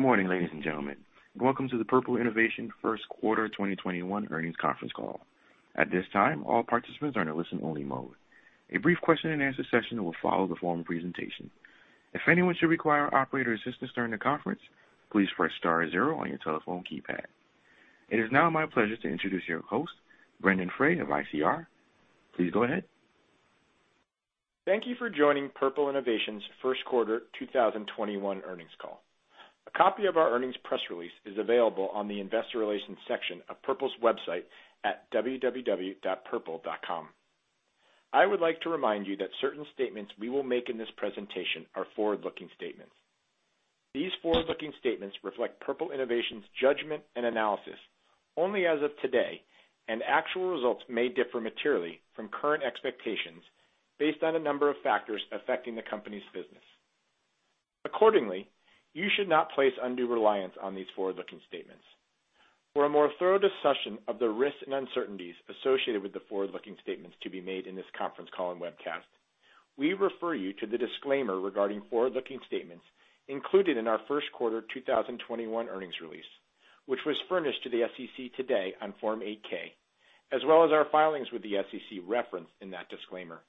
Good morning, ladies and gentlemen, and welcome to the Purple Innovation first quarter 2021 earnings conference call. At this time, all participants are in a listen-only mode. A brief question and answer session will follow the formal presentation. If anyone should require operator assistance during the conference, please press star zero on your telephone keypad. It is now my pleasure to introduce your host, Brendon Frey of ICR. Please go ahead. Thank you for joining Purple Innovation's first quarter 2021 earnings call. A copy of our earnings press release is available on the investor relations section of Purple's website at www.purple.com. I would like to remind you that certain statements we will make in this presentation are forward-looking statements. These forward-looking statements reflect Purple Innovation's judgment and analysis only as of today. Actual results may differ materially from current expectations, based on a number of factors affecting the company's business. Accordingly, you should not place undue reliance on these forward-looking statements. For a more thorough discussion of the risks and uncertainties associated with the forward-looking statements to be made in this conference call and webcast, we refer you to the disclaimer regarding forward-looking statements included in our first quarter 2021 earnings release, which was furnished to the SEC today on Form 8-K, as well as our filings with the SEC referenced in that disclaimer.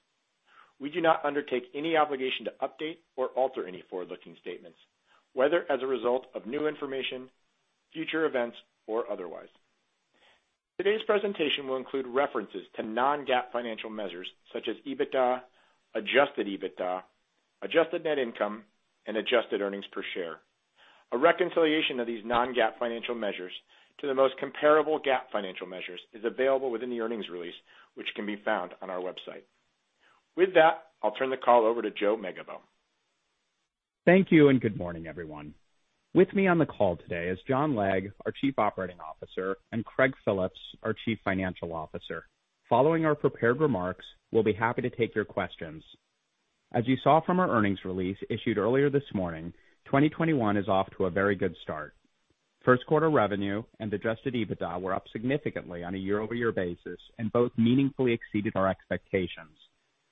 We do not undertake any obligation to update or alter any forward-looking statements, whether as a result of new information, future events, or otherwise. Today's presentation will include references to non-GAAP financial measures such as EBITDA, adjusted EBITDA, adjusted net income, and adjusted earnings per share. A reconciliation of these non-GAAP financial measures to the most comparable GAAP financial measures is available within the earnings release, which can be found on our website. With that, I'll turn the call over to Joe Megibow. Thank you. Good morning, everyone. With me on the call today is John Legg, our Chief Operating Officer, and Craig Phillips, our Chief Financial Officer. Following our prepared remarks, we'll be happy to take your questions. As you saw from our earnings release issued earlier this morning, 2021 is off to a very good start. First quarter revenue and adjusted EBITDA were up significantly on a year-over-year basis and both meaningfully exceeded our expectations.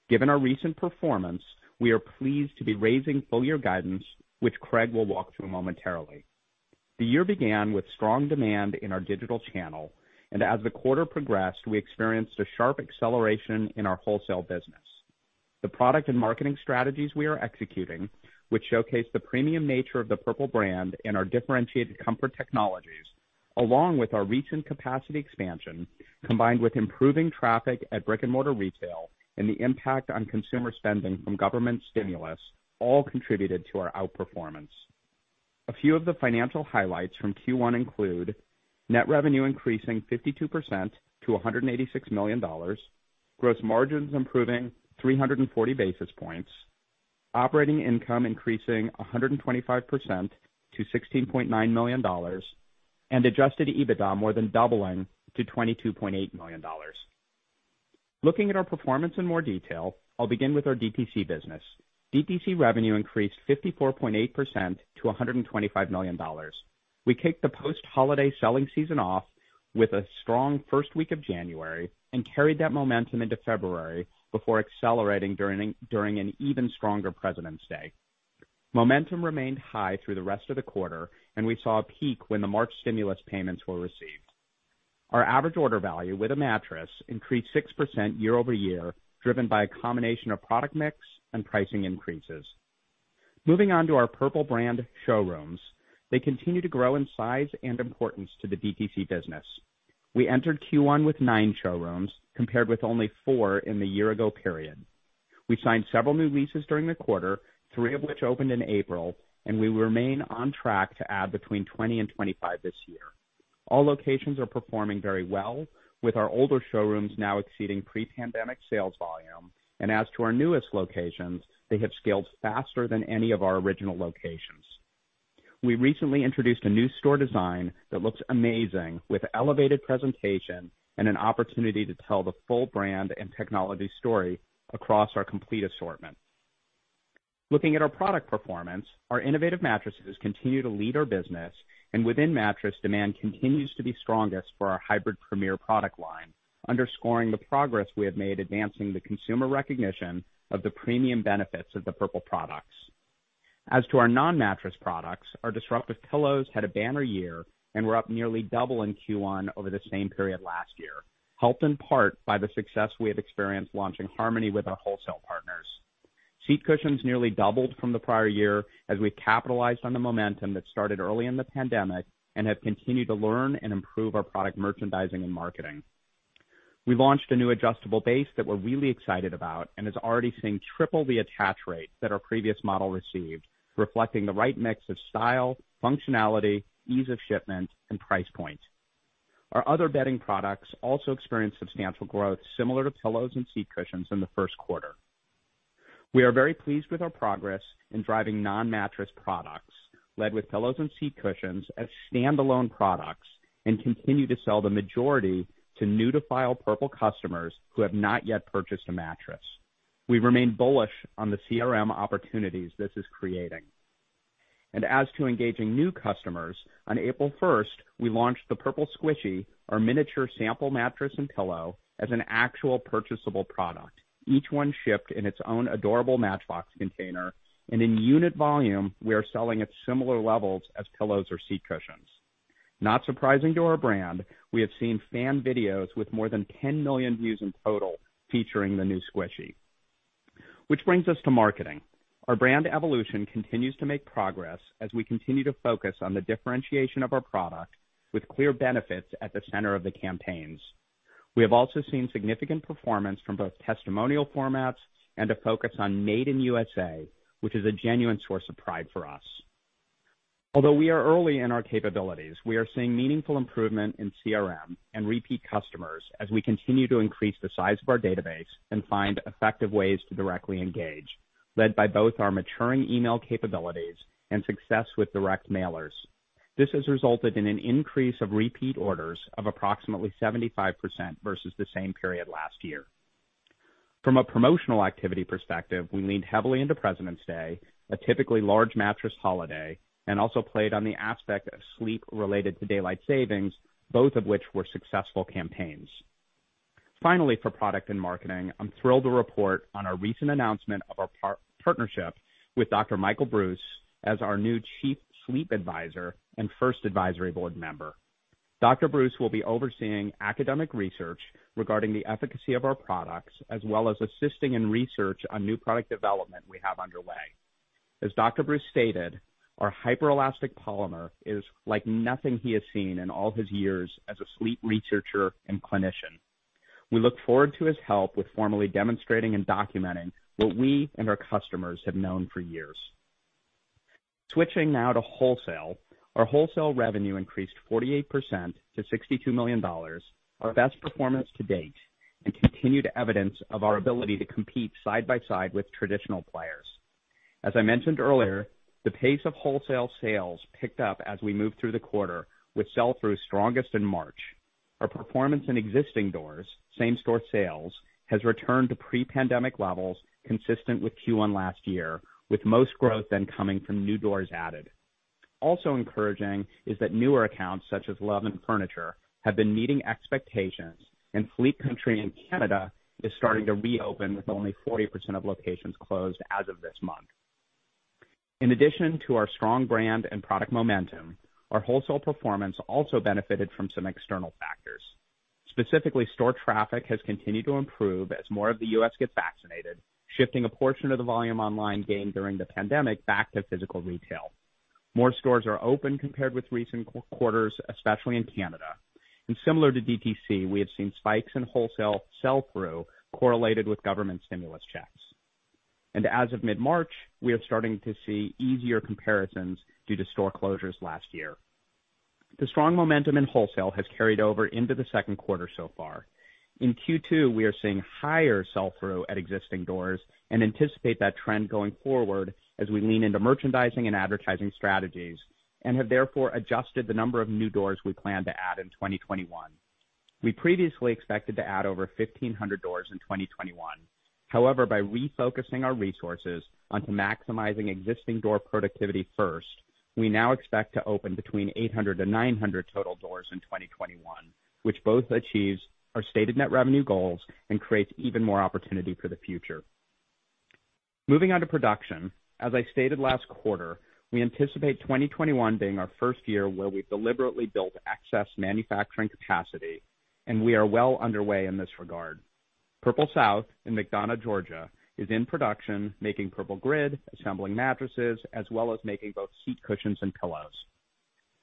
Given our recent performance, we are pleased to be raising full-year guidance, which Craig will walk through momentarily. The year began with strong demand in our digital channel, and as the quarter progressed, we experienced a sharp acceleration in our wholesale business. The product and marketing strategies we are executing, which showcase the premium nature of the Purple brand and our differentiated comfort technologies, along with our recent capacity expansion, combined with improving traffic at brick-and-mortar retail and the impact on consumer spending from government stimulus, all contributed to our outperformance. A few of the financial highlights from Q1 include net revenue increasing 52% to $186 million, gross margins improving 340 basis points, operating income increasing 125% to $16.9 million, and adjusted EBITDA more than doubling to $22.8 million. Looking at our performance in more detail, I'll begin with our DTC business. DTC revenue increased 54.8% to $125 million. We kicked the post-holiday selling season off with a strong first week of January and carried that momentum into February before accelerating during an even stronger President's Day. Momentum remained high through the rest of the quarter. We saw a peak when the March stimulus payments were received. Our average order value with a mattress increased 6% year-over-year, driven by a combination of product mix and pricing increases. Moving on to our Purple brand showrooms, they continue to grow in size and importance to the DTC business. We entered Q1 with nine showrooms, compared with only four in the year-ago period. We signed several new leases during the quarter, three of which opened in April. We remain on track to add between 20 and 25 this year. All locations are performing very well, with our older showrooms now exceeding pre-pandemic sales volume. As to our newest locations, they have scaled faster than any of our original locations. We recently introduced a new store design that looks amazing, with elevated presentation and an opportunity to tell the full brand and technology story across our complete assortment. Looking at our product performance, our innovative mattresses continue to lead our business, and within mattress, demand continues to be strongest for our Hybrid Premier product line, underscoring the progress we have made advancing the consumer recognition of the premium benefits of the Purple products. As to our non-mattress products, our disruptive pillows had a banner year and were up nearly double in Q1 over the same period last year, helped in part by the success we have experienced launching Harmony with our wholesale partners. Seat cushions nearly doubled from the prior year as we've capitalized on the momentum that started early in the pandemic and have continued to learn and improve our product merchandising and marketing. We launched a new adjustable base that we're really excited about and is already seeing triple the attach rate that our previous model received, reflecting the right mix of style, functionality, ease of shipment, and price point. Our other bedding products also experienced substantial growth similar to pillows and seat cushions in the first quarter. We are very pleased with our progress in driving non-mattress products, led with pillows and seat cushions as standalone products, and continue to sell the majority to new-to-file Purple customers who have not yet purchased a mattress. We remain bullish on the CRM opportunities this is creating. As to engaging new customers, on April 1st, we launched the Purple Squishy, our miniature sample mattress and pillow, as an actual purchasable product, each one shipped in its own adorable matchbox container, and in unit volume, we are selling at similar levels as pillows or seat cushions. Not surprising to our brand, we have seen fan videos with more than 10 million views in total featuring the new Squishy. Which brings us to marketing. Our brand evolution continues to make progress as we continue to focus on the differentiation of our product with clear benefits at the center of the campaigns. We have also seen significant performance from both testimonial formats and a focus on made in USA, which is a genuine source of pride for us. Although we are early in our capabilities, we are seeing meaningful improvement in CRM and repeat customers as we continue to increase the size of our database and find effective ways to directly engage, led by both our maturing email capabilities and success with direct mailers. This has resulted in an increase of repeat orders of approximately 75% versus the same period last year. From a promotional activity perspective, we leaned heavily into President's Day, a typically large mattress holiday, and also played on the aspect of daylight savings related to sleep, both of which were successful campaigns. Finally, for product and marketing, I am thrilled to report on our recent announcement of our partnership with Dr. Michael Breus as our new Chief Sleep Advisor and first advisory board member. Dr. Breus will be overseeing academic research regarding the efficacy of our products, as well as assisting in research on new product development we have underway. As Dr. Breus stated, our Hyper-Elastic Polymer is like nothing he has seen in all his years as a sleep researcher and clinician. We look forward to his help with formally demonstrating and documenting what we and our customers have known for years. Switching now to wholesale. Our wholesale revenue increased 48% to $62 million, our best performance to date, and continued evidence of our ability to compete side by side with traditional players. As I mentioned earlier, the pace of wholesale sales picked up as we moved through the quarter with sell-through strongest in March. Our performance in existing doors, same-store sales, has returned to pre-pandemic levels consistent with Q1 last year, with most growth then coming from new doors added. Also encouraging is that newer accounts such as Levin Furniture have been meeting expectations, and Sleep Country Canada is starting to reopen with only 40% of locations closed as of this month. In addition to our strong brand and product momentum, our wholesale performance also benefited from some external factors. Specifically, store traffic has continued to improve as more of the U.S. gets vaccinated, shifting a portion of the volume online gained during the pandemic back to physical retail. More stores are open compared with recent quarters, especially in Canada. Similar to DTC, we have seen spikes in wholesale sell-through correlated with government stimulus checks. As of mid-March, we are starting to see easier comparisons due to store closures last year. The strong momentum in wholesale has carried over into the second quarter so far. In Q2, we are seeing higher sell-through at existing doors and anticipate that trend going forward as we lean into merchandising and advertising strategies and have therefore adjusted the number of new doors we plan to add in 2021. We previously expected to add over 1,500 doors in 2021. By refocusing our resources on maximizing existing door productivity first, we now expect to open between 800 and 900 total doors in 2021, which both achieves our stated net revenue goals and creates even more opportunity for the future. Moving on to production. As I stated last quarter, we anticipate 2021 being our first year where we deliberately build excess manufacturing capacity, and we are well underway in this regard. Purple South in McDonough, Georgia, is in production making Purple Grid, assembling mattresses, as well as making both seat cushions and pillows.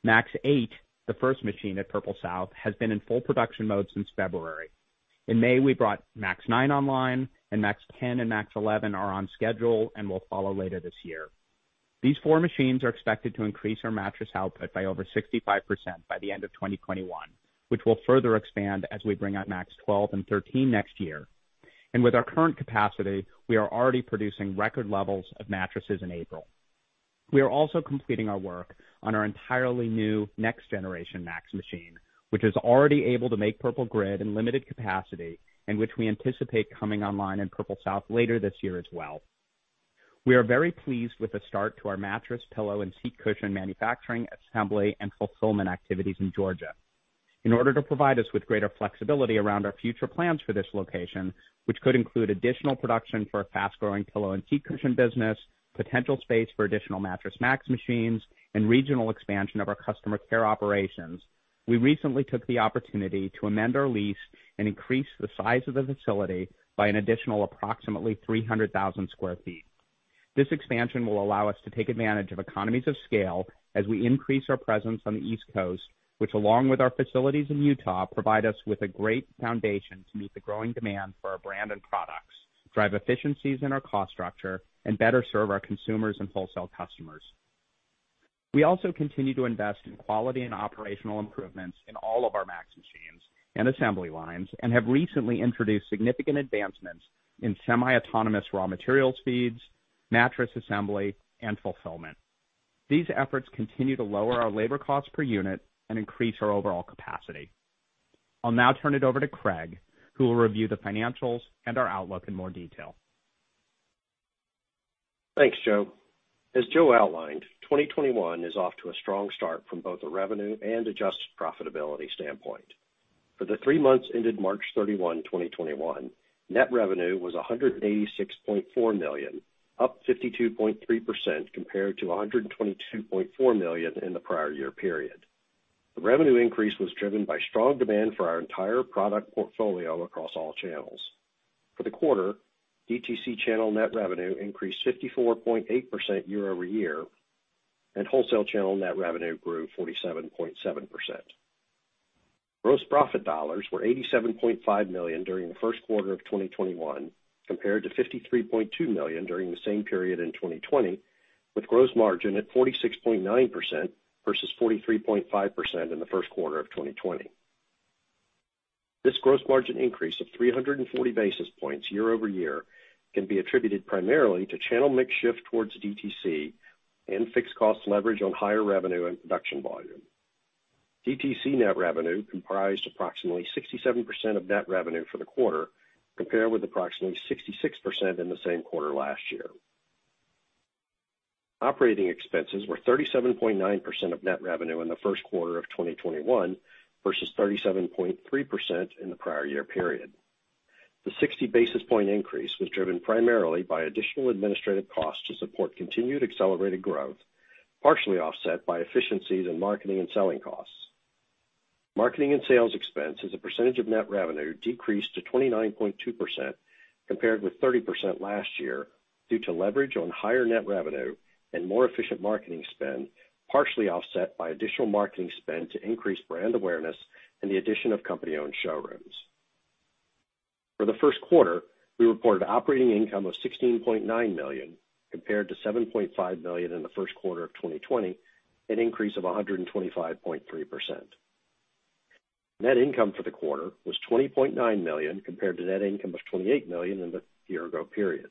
MAX 8, the first machine at Purple South, has been in full production mode since February. In May, we brought MAX 9 online, and MAX 10 and MAX 11 are on schedule and will follow later this year. These four machines are expected to increase our mattress output by over 65% by the end of 2021, which will further expand as we bring out MAX 12 and 13 next year. With our current capacity, we are already producing record levels of mattresses in April. We are also completing our work on our entirely new next-generation MAX machine, which is already able to make Purple Grid in limited capacity and which we anticipate coming online in Purple South later this year as well. We are very pleased with the start to our mattress, pillow, and seat cushion manufacturing, assembly, and fulfillment activities in Georgia. In order to provide us with greater flexibility around our future plans for this location, which could include additional production for a fast-growing pillow and seat cushion business, potential space for additional Mattress MAX machines, and regional expansion of our customer care operations, we recently took the opportunity to amend our lease and increase the size of the facility by an additional approximately 300,000 sq ft. This expansion will allow us to take advantage of economies of scale as we increase our presence on the East Coast, which, along with our facilities in Utah, provide us with a great foundation to meet the growing demand for our brand and products, drive efficiencies in our cost structure, and better serve our consumers and wholesale customers. We also continue to invest in quality and operational improvements in all of our MAX machines and assembly lines and have recently introduced significant advancements in semi-autonomous raw material feeds, mattress assembly, and fulfillment. These efforts continue to lower our labor cost per unit and increase our overall capacity. I'll now turn it over to Craig, who will review the financials and our outlook in more detail. Thanks, Joe. As Joe outlined, 2021 is off to a strong start from both a revenue and adjusted profitability standpoint. For the three months ended March 31, 2021, net revenue was $186.4 million, up 52.3% compared to $122.4 million in the prior year period. The revenue increase was driven by strong demand for our entire product portfolio across all channels. For the quarter, DTC channel net revenue increased 54.8% year-over-year, wholesale channel net revenue grew 47.7%. Gross profit dollars were $87.5 million during the first quarter of 2021 compared to $53.2 million during the same period in 2020, with gross margin at 46.9% versus 43.5% in the first quarter of 2020. This gross margin increase of 340 basis points year-over-year can be attributed primarily to channel mix shift towards DTC and fixed cost leverage on higher revenue and production volume. DTC net revenue comprised approximately 67% of net revenue for the quarter, compared with approximately 66% in the same quarter last year. Operating expenses were 37.9% of net revenue in Q1 2021 versus 37.3% in the prior year period. The 60 basis point increase was driven primarily by additional administrative costs to support continued accelerated growth, partially offset by efficiencies in marketing and selling costs. Marketing and sales expense as a percentage of net revenue decreased to 29.2% compared with 30% last year due to leverage on higher net revenue and more efficient marketing spend, partially offset by additional marketing spend to increase brand awareness and the addition of company-owned showrooms. For the first quarter, we reported operating income of $16.9 million compared to $7.5 million in Q1 2020, an increase of 125.3%. Net income for the quarter was $20.9 million compared to net income of $28 million in the year-ago period.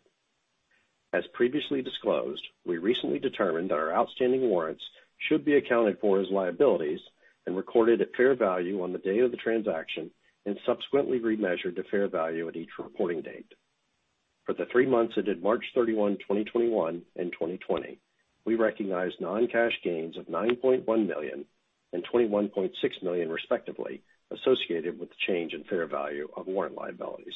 As previously disclosed, we recently determined that our outstanding warrants should be accounted for as liabilities and recorded at fair value on the day of the transaction and subsequently remeasured to fair value at each reporting date. For the three months ended March 31, 2021, and 2020, we recognized non-cash gains of $9.1 million and $21.6 million respectively associated with the change in fair value of warrant liabilities.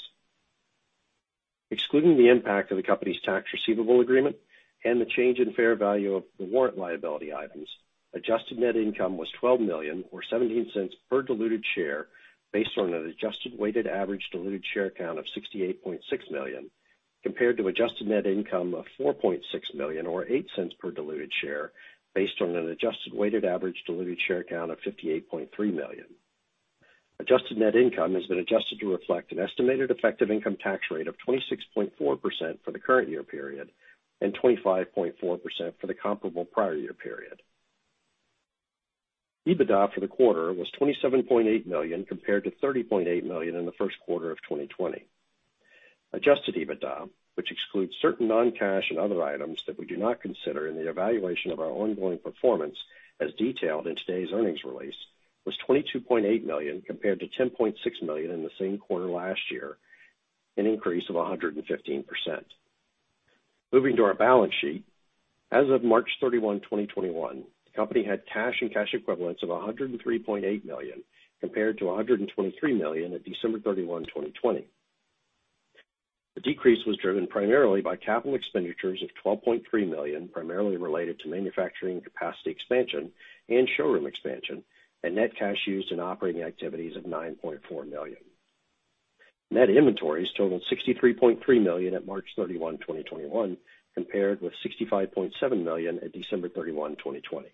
Excluding the impact of the company's tax receivable agreement and the change in fair value of the warrant liability items, adjusted net income was $12 million or $0.17 per diluted share based on an adjusted weighted average diluted share count of 68.6 million, compared to adjusted net income of $4.6 million or $0.08 per diluted share based on an adjusted weighted average diluted share count of 58.3 million. Adjusted net income has been adjusted to reflect an estimated effective income tax rate of 26.4% for the current year period and 25.4% for the comparable prior year period. EBITDA for the quarter was $27.8 million compared to $30.8 million in the first quarter of 2020. Adjusted EBITDA, which excludes certain non-cash and other items that we do not consider in the evaluation of our ongoing performance as detailed in today's earnings release, was $22.8 million compared to $10.6 million in the same quarter last year, an increase of 115%. Moving to our balance sheet. As of March 31, 2021, the company had cash and cash equivalents of $103.8 million compared to $123 million at December 31, 2020. The decrease was driven primarily by capital expenditures of $12.3 million primarily related to manufacturing capacity expansion and showroom expansion, and net cash used in operating activities of $9.4 million. Net inventories totaled $63.3 million at March 31, 2021, compared with $65.7 million at December 31, 2020.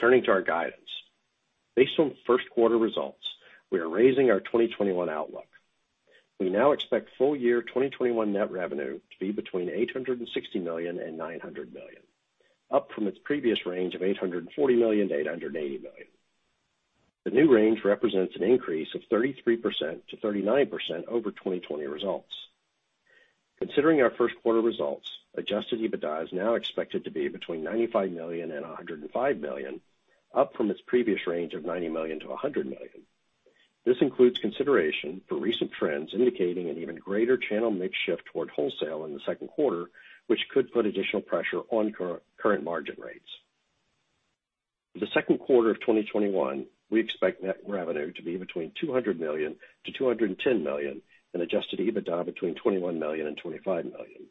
Turning to our guidance. Based on first quarter results, we are raising our 2021 outlook. We now expect full year 2021 net revenue to be between $860 million and $900 million, up from its previous range of $840 million-$880 million. The new range represents an increase of 33%-39% over 2020 results. Considering our first quarter results, adjusted EBITDA is now expected to be between $95 million and $105 million, up from its previous range of $90 million-$100 million. This includes consideration for recent trends indicating an even greater channel mix shift toward wholesale in the second quarter, which could put additional pressure on current margin rates. For the second quarter of 2021, we expect net revenue to be between $200 million-$210 million and adjusted EBITDA between $21 million and $25 million.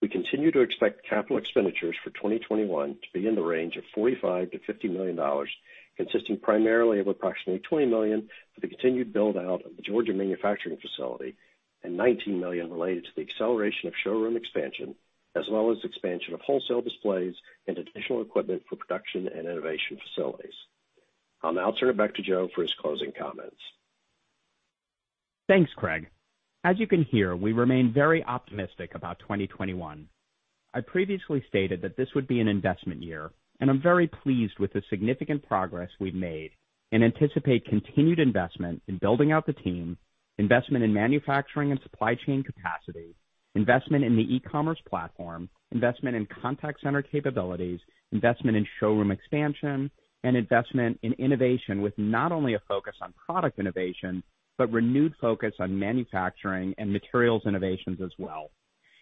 We continue to expect CapEx for 2021 to be in the range of $45 million-$50 million, consisting primarily of approximately $20 million for the continued build-out of the Georgia manufacturing facility and $19 million related to the acceleration of showroom expansion as well as expansion of wholesale displays and additional equipment for production and innovation facilities. I'll now turn it back to Joe for his closing comments. Thanks, Craig. As you can hear, we remain very optimistic about 2021. I previously stated that this would be an investment year, and I'm very pleased with the significant progress we've made and anticipate continued investment in building out the team, investment in manufacturing and supply chain capacity, investment in the e-commerce platform, investment in contact center capabilities, investment in showroom expansion, and investment in innovation with not only a focus on product innovation but renewed focus on manufacturing and materials innovations as well.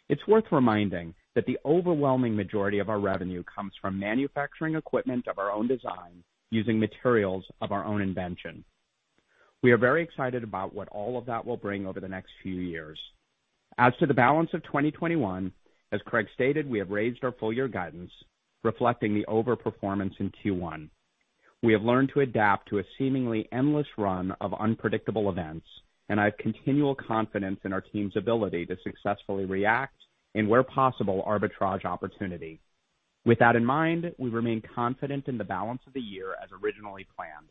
It's worth reminding that the overwhelming majority of our revenue comes from manufacturing equipment of our own design, using materials of our own invention. We are very excited about what all of that will bring over the next few years. As to the balance of 2021, as Craig stated, we have raised our full-year guidance, reflecting the over-performance in Q1. We have learned to adapt to a seemingly endless run of unpredictable events, and I have continual confidence in our team's ability to successfully react and, where possible, arbitrage opportunity. With that in mind, we remain confident in the balance of the year as originally planned.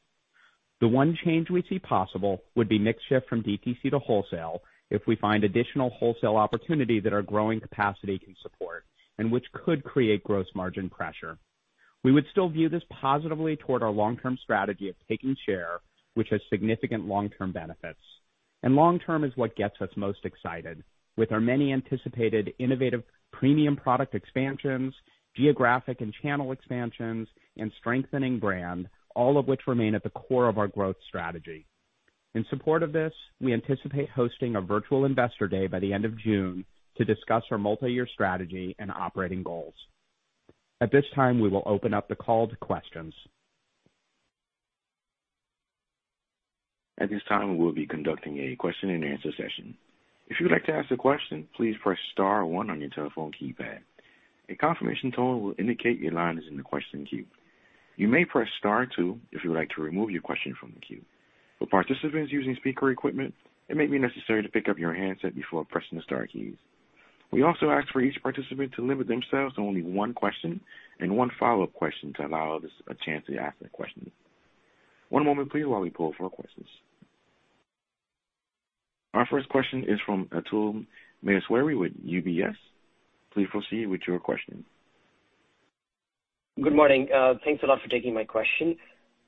The one change we see possible would be mix shift from DTC to wholesale if we find additional wholesale opportunities that our growing capacity can support and which could create gross margin pressure. We would still view this positively toward our long-term strategy of taking share, which has significant long-term benefits. Long term is what gets us most excited with our many anticipated innovative premium product expansions, geographic and channel expansions, and strengthening brand, all of which remain at the core of our growth strategy. In support of this, we anticipate hosting a virtual investor day by the end of June to discuss our multi-year strategy and operating goals. At this time, we will open up the call to questions. At this time, we will be conducting a question and answer session. If you would like to ask a question, please press star one on your telephone keypad. A confirmation tone will indicate your line is in the question queue. You may press star two if you would like to remove your question from the queue. For participants using speaker equipment, it may be necessary to pick up your handset before pressing star keys. We also ask for each participant to limit themselves to only one question and one follow-up question to allow others a chance to ask their questions. One moment please while we pull for questions. Our first question is from Atul Maheswari with UBS. Please proceed with your question. Good morning. Thanks a lot for taking my question.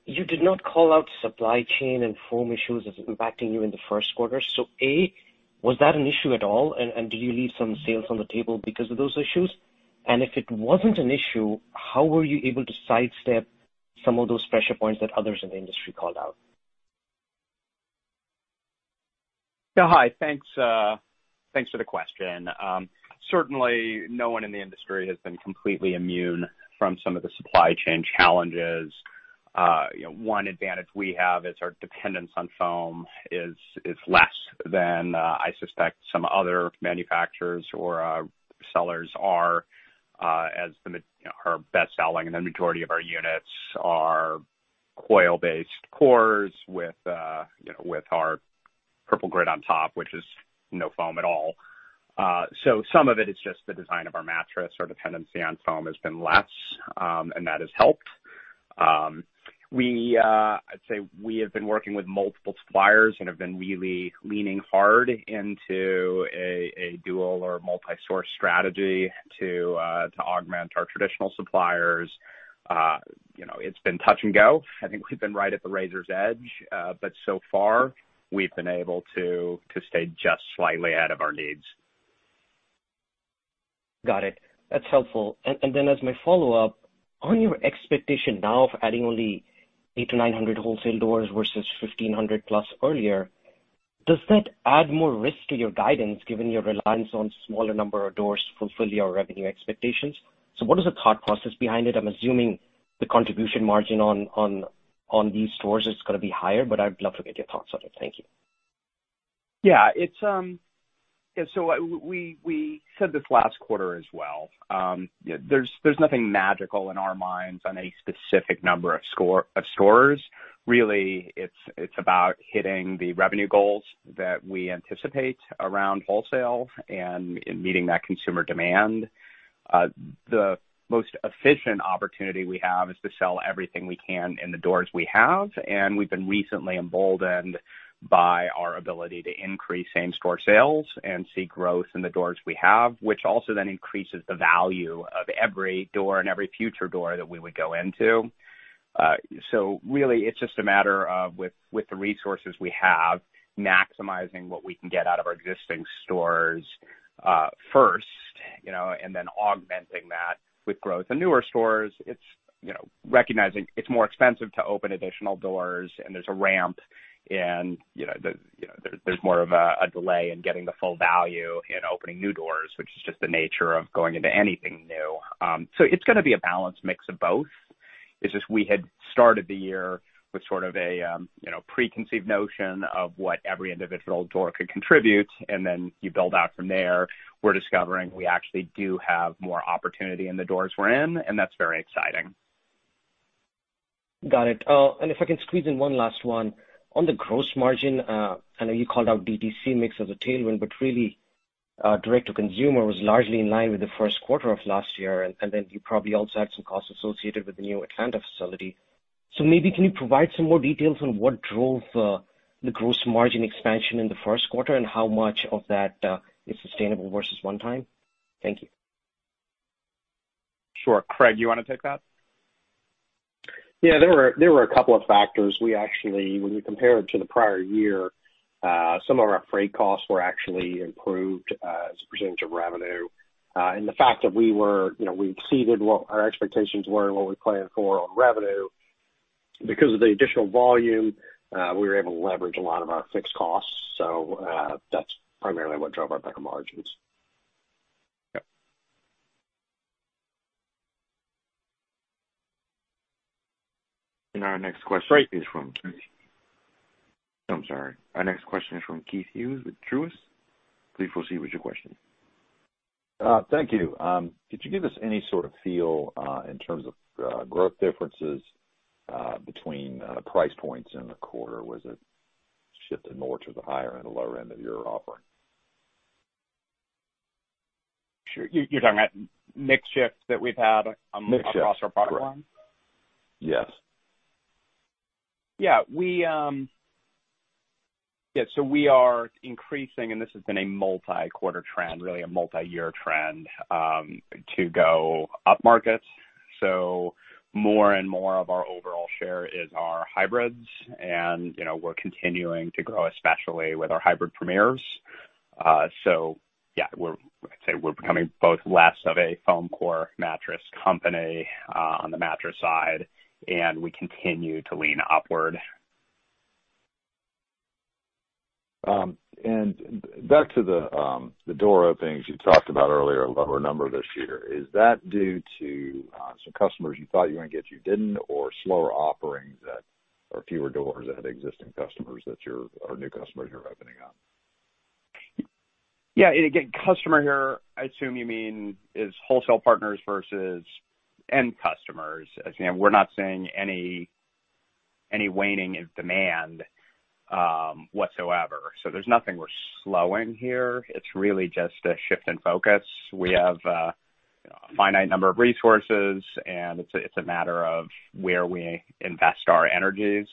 You did not call out supply chain and foam issues as impacting you in the first quarter. A, was that an issue at all, and did you leave some sales on the table because of those issues? If it wasn't an issue, how were you able to sidestep some of those pressure points that others in the industry called out? Hi, thanks for the question. Certainly, no one in the industry has been completely immune from some of the supply chain challenges. One advantage we have is our dependence on foam is less than I suspect some other manufacturers or sellers are, as our best-selling and the majority of our units are coil-based cores with our Purple Grid on top, which is no foam at all. Some of it is just the design of our mattress. Our dependency on foam has been less, and that has helped. I'd say we have been working with multiple suppliers and have been really leaning hard into a dual or multi-source strategy to augment our traditional suppliers. It's been touch and go. I think we've been right at the razor's edge. So far, we've been able to stay just slightly ahead of our needs. Got it. That's helpful. Then as my follow-up, on your expectation now of adding only 800-900 wholesale doors versus 1,500 plus earlier, does that add more risk to your guidance given your reliance on smaller number of doors to fulfill your revenue expectations? What is the thought process behind it? I'm assuming the contribution margin on these stores is going to be higher, but I'd love to get your thoughts on it. Thank you. Yeah. We said this last quarter as well. There's nothing magical in our minds on a specific number of stores. It's about hitting the revenue goals that we anticipate around wholesale and meeting that consumer demand. The most efficient opportunity we have is to sell everything we can in the doors we have, and we've been recently emboldened by our ability to increase same-store sales and see growth in the doors we have, which also then increases the value of every door and every future door that we would go into. It's just a matter of, with the resources we have, maximizing what we can get out of our existing stores first, and then augmenting that with growth in newer stores. It's recognizing it's more expensive to open additional doors, and there's a ramp, and there's more of a delay in getting the full value in opening new doors, which is just the nature of going into anything new. It's going to be a balanced mix of both. It's just we had started the year with sort of a preconceived notion of what every individual door could contribute, and then you build out from there. We're discovering we actually do have more opportunity in the doors we're in, and that's very exciting. Got it. If I can squeeze in one last one. On the gross margin, I know you called out DTC mix as a tailwind, but really Direct to Consumer was largely in line with the first quarter of last year. You probably also had some costs associated with the new Atlanta facility. Maybe can you provide some more details on what drove the gross margin expansion in the first quarter and how much of that is sustainable versus one time? Thank you. Sure. Craig, you want to pick up? Yeah, there were a couple of factors. We actually, when we compare it to the prior year, some of our freight costs were actually improved as a percentage of revenue. The fact that we exceeded what our expectations were and what we planned for on revenue, because of the additional volume, we were able to leverage a lot of our fixed costs. That's primarily what drove our better margins. Yep. I'm sorry. Our next question is from Keith Hughes with Truist. Please proceed with your question. Thank you. Could you give us any sort of feel in terms of growth differences between price points in the quarter? Was it shifted more to the higher end or lower end of your offering? Sure. You're talking about mix shifts that we've had. Mix shifts, correct. Yes. We are increasing, and this has been a multi-quarter trend, really a multi-year trend, to go upmarket. More and more of our overall share is our hybrids, and we're continuing to grow, especially with our Hybrid Premiers. We're becoming both less of a foam core mattress company on the mattress side, and we continue to lean upward. Back to the door openings you talked about earlier, lower number this year. Is that due to some customers you thought you were going to get you didn't, or slower offerings that, or fewer doors at existing customers that you're, or new customers you're opening up? You get customer here, I assume you mean is wholesale partners versus end customers. We're not seeing any waning in demand, whatsoever. There's nothing we're slowing here. It's really just a shift in focus. We have a finite number of resources, and it's a matter of where we invest our energies.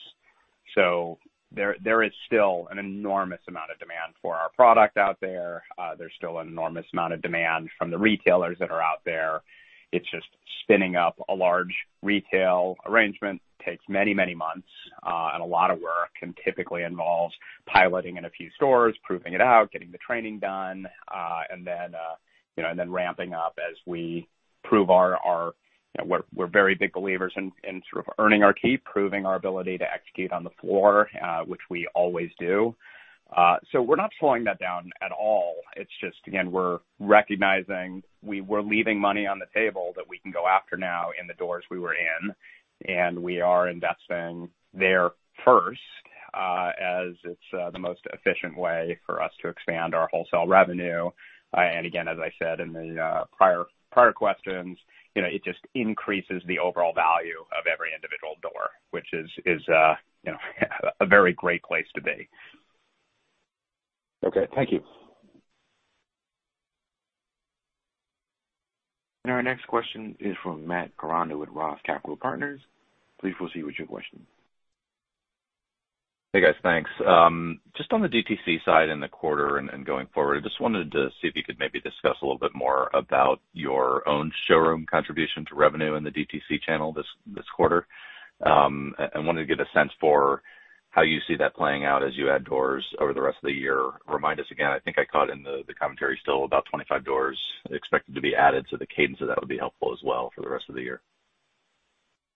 There is still an enormous amount of demand for our product out there. There's still an enormous amount of demand from the retailers that are out there. It's just spinning up a large retail arrangement takes many, many months, and a lot of work and typically involves piloting in a few stores, proving it out, getting the training done, and then ramping up as we prove. We're very big believers in sort of earning our keep, proving our ability to execute on the floor, which we always do. We're not slowing that down at all. It's just, again, we're recognizing we were leaving money on the table that we can go after now in the doors we were in, and we are investing there first, as it's the most efficient way for us to expand our wholesale revenue. Again, as I said in the prior questions, it just increases the overall value of every individual door, which is a very great place to be. Okay. Thank you. Our next question is from Matt Koranda with ROTH Capital Partners. Please proceed with your question. Hey, guys. Thanks. Just on the DTC side in the quarter and then going forward, just wanted to see if you could maybe discuss a little bit more about your own showroom contribution to revenue in the DTC channel this quarter. Wanted to get a sense for how you see that playing out as you add doors over the rest of the year. Remind us again, I think I caught in the commentary still about 25 doors expected to be added, so the cadence of that would be helpful as well for the rest of the year.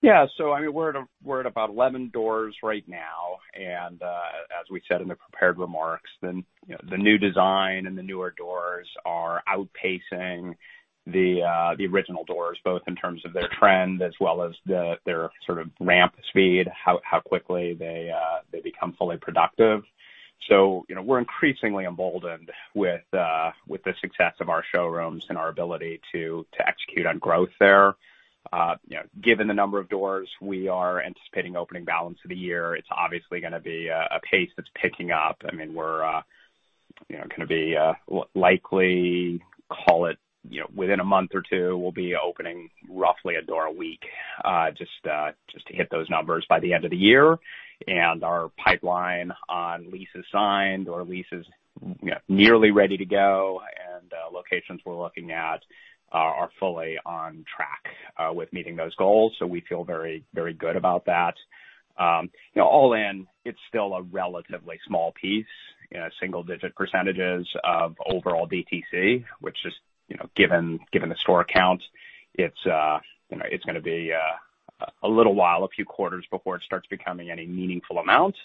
Yeah. We're at about 11 doors right now. As we said in the prepared remarks, the new design and the newer doors are outpacing the original doors, both in terms of their trend as well as their sort of ramp speed, how quickly they become fully productive. We're increasingly emboldened with the success of our showrooms and our ability to execute on growth there. Given the number of doors we are anticipating opening balance for the year, it's obviously going to be a case that's picking up. We're going to be likely, call it, within a month or two, we'll be opening roughly a door a week, just to hit those numbers by the end of the year. Our pipeline on leases signed or leases nearly ready to go and locations we're looking at are fully on track with meeting those goals. We feel very good about that. All in, it's still a relatively small piece, single-digit percentages of overall DTC, which is, given the store count, it's going to be a little while, a few quarters before it starts becoming any meaningful amount.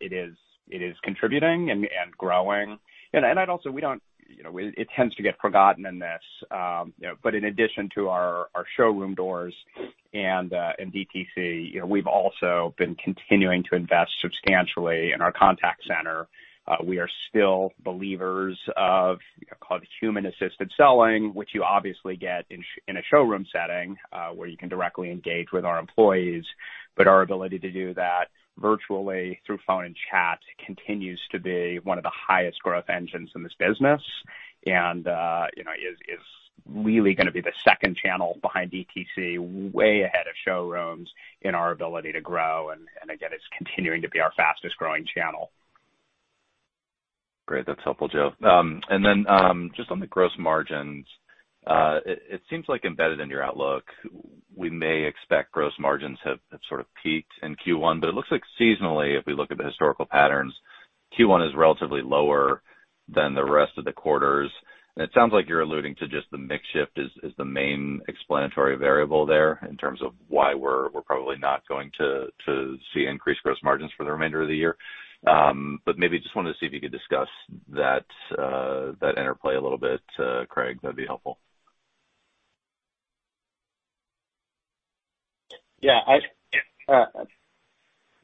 It is contributing and growing. It tends to get forgotten in this. In addition to our showroom doors and DTC, we've also been continuing to invest substantially in our contact center. We are still believers of human-assisted selling, which you obviously get in a showroom setting, where you can directly engage with our employees. Our ability to do that virtually through phone and chat continues to be one of the highest growth engines in this business and is really going to be the second channel behind DTC, way ahead of showrooms in our ability to grow. It's continuing to be our fastest growing channel. Great. That's helpful, Joe. Then just on the gross margins, it seems like embedded in your outlook, we may expect gross margins have sort of peaked in Q1, but it looks like seasonally, if we look at the historical patterns, Q1 is relatively lower than the rest of the quarters. It sounds like you're alluding to just the mix shift is the main explanatory variable there in terms of why we're probably not going to see increased gross margins for the remainder of the year. Maybe just want to see if you could discuss that interplay a little bit, Craig? That'd be helpful. Yeah. I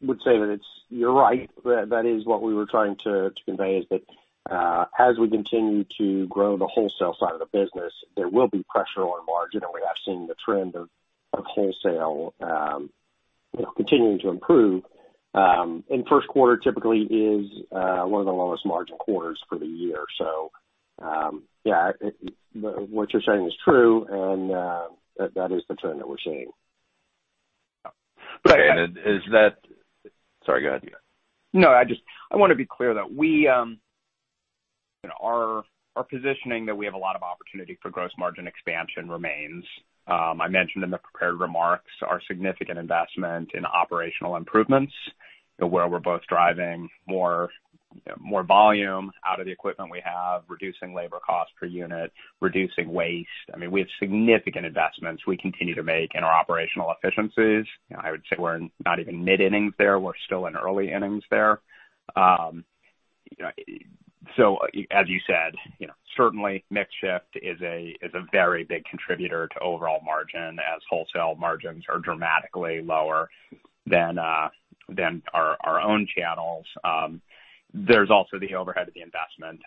would say that you're right. That is what we were trying to convey is that, as we continue to grow the wholesale side of the business, there will be pressure on margin, and we have seen the trend of wholesale continuing to improve. First quarter typically is one of the lowest margin quarters for the year. Yeah, what you're saying is true, and that is the trend that we're seeing. Sorry, go ahead. No, I want to be clear that our positioning that we have a lot of opportunity for gross margin expansion remains. I mentioned in the prepared remarks our significant investment in operational improvements, where we're both driving more volume out of the equipment we have, reducing labor cost per unit, reducing waste. We have significant investments we continue to make in our operational efficiencies. I would say we're not even mid-innings there. We're still in early innings there. As you said, certainly mix shift is a very big contributor to overall margin as wholesale margins are dramatically lower than our own channels. There's also the overhead of the investment.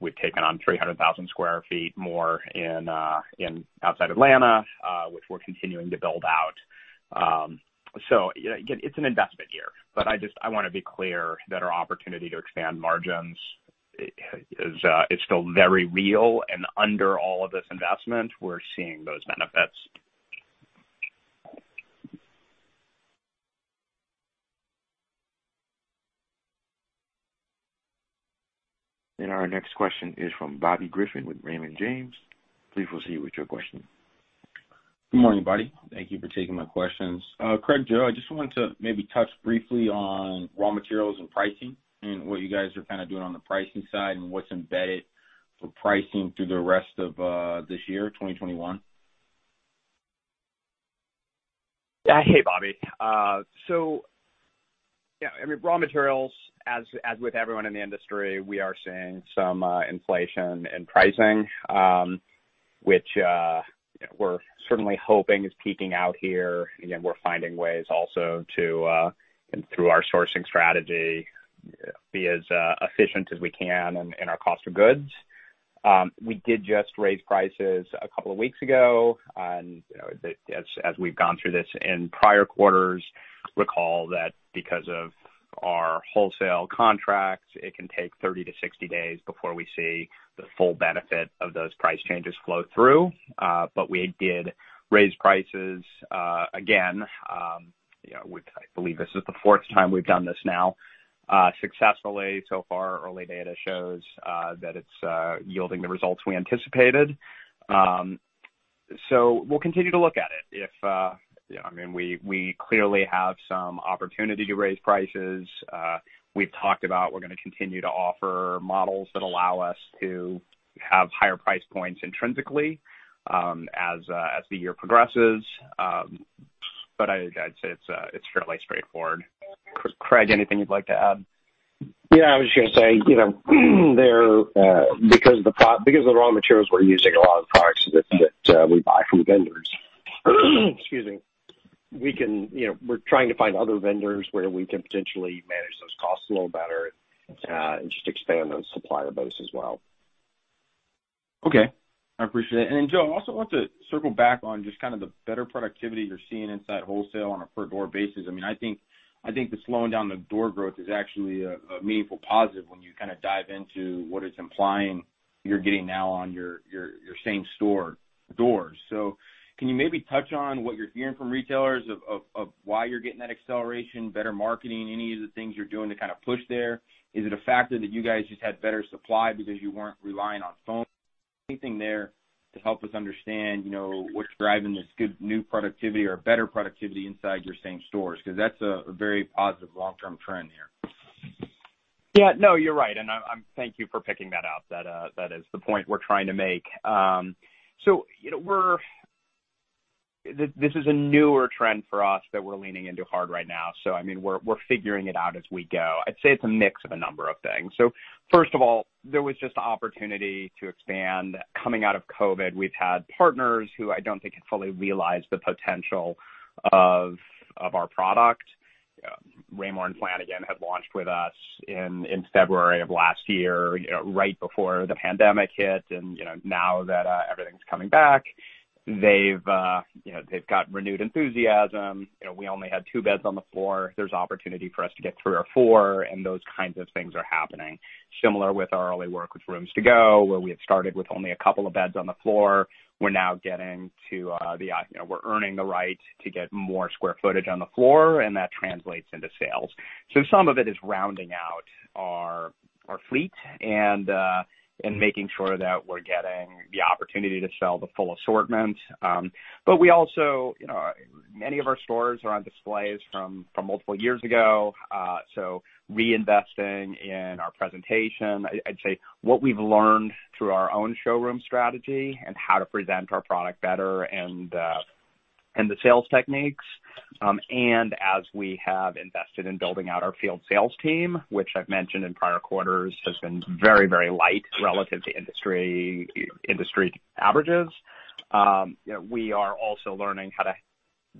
We've taken on 300,000 sq ft more outside Atlanta, which we're continuing to build out. It's an investment year. I want to be clear that our opportunity to expand margins is still very real, and under all of this investment, we're seeing those benefits. Our next question is from Bobby Griffin with Raymond James. Please proceed with your question. Good morning, [Buddy]. Thank you for taking my questions. Craig, Joe, I just wanted to maybe touch briefly on raw materials and pricing and what you guys are doing on the pricing side and what's embedded for pricing through the rest of this year, 2021. Hey, Bobby. Raw materials, as with everyone in the industry, we are seeing some inflation in pricing, which we're certainly hoping is peaking out here. We're finding ways also to, through our sourcing strategy, be as efficient as we can in our cost of goods. We did just raise prices a couple of weeks ago, and as we've gone through this in prior quarters, recall that because of our wholesale contracts, it can take 30-60 days before we see the full benefit of those price changes flow through. We did raise prices again. I believe this is the fourth time we've done this now successfully. So far, early data shows that it's yielding the results we anticipated. We'll continue to look at it. We clearly have some opportunity to raise prices. We've talked about we're going to continue to offer models that allow us to have higher price points intrinsically, as the year progresses. I'd say it's fairly straightforward. Craig, anything you'd like to add? I was going to say, because of the raw materials, we're using a lot of products that we buy from vendors. Excuse me. We're trying to find other vendors where we can potentially manage those costs a little better, and just expand the supply of those as well. Okay, I appreciate it. Joe, I also wanted to circle back on just the better productivity you're seeing inside wholesale on a per door basis. I think the slowing down of door growth is actually a meaningful positive when you dive into what it's implying you're getting now on your same store doors. Can you maybe touch on what you're hearing from retailers of why you're getting that acceleration, better marketing, any of the things you're doing to push there? Is it a factor that you guys just had better supply because you weren't relying on Purple? Anything there to help us understand what's driving this good new productivity or better productivity inside your same stores? That's a very positive long-term trend here. Yeah. No, you're right, and thank you for picking that out. That is the point we're trying to make. This is a newer trend for us that we're leaning into hard right now, we're figuring it out as we go. I'd say it's a mix of a number of things. First of all, there was just opportunity to expand coming out of COVID. We've had partners who I don't think have fully realized the potential of our product. Raymour & Flanigan had launched with us in February of last year, right before the pandemic hit, now that everything's coming back, they've got renewed enthusiasm. We only had two beds on the floor. There's opportunity for us to get three or four, those kinds of things are happening. Similar with our early work with Rooms To Go, where we had started with only a couple of beds on the floor. We're earning the right to get more square footage on the floor, that translates into sales. Some of it is rounding out our fleet, making sure that we're getting the opportunity to sell the full assortment. We also, many of our stores are on displays from multiple years ago. Reinvesting in our presentation, I'd say what we've learned through our own showroom strategy, how to present our product better and the sales techniques. As we have invested in building out our field sales team, which I've mentioned in prior quarters, has been very light relative to industry averages. We are also learning how to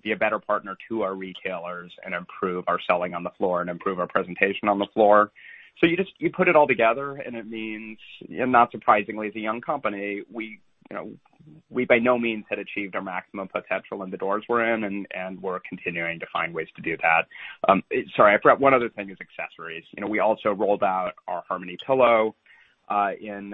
be a better partner to our retailers and improve our selling on the floor and improve our presentation on the floor. You put it all together, and it means, not surprisingly, a young company, we by no means had achieved our maximum potential in the doors we're in, and we're continuing to find ways to do that. Sorry, I forgot one other thing is accessories. We also rolled out our Harmony pillow in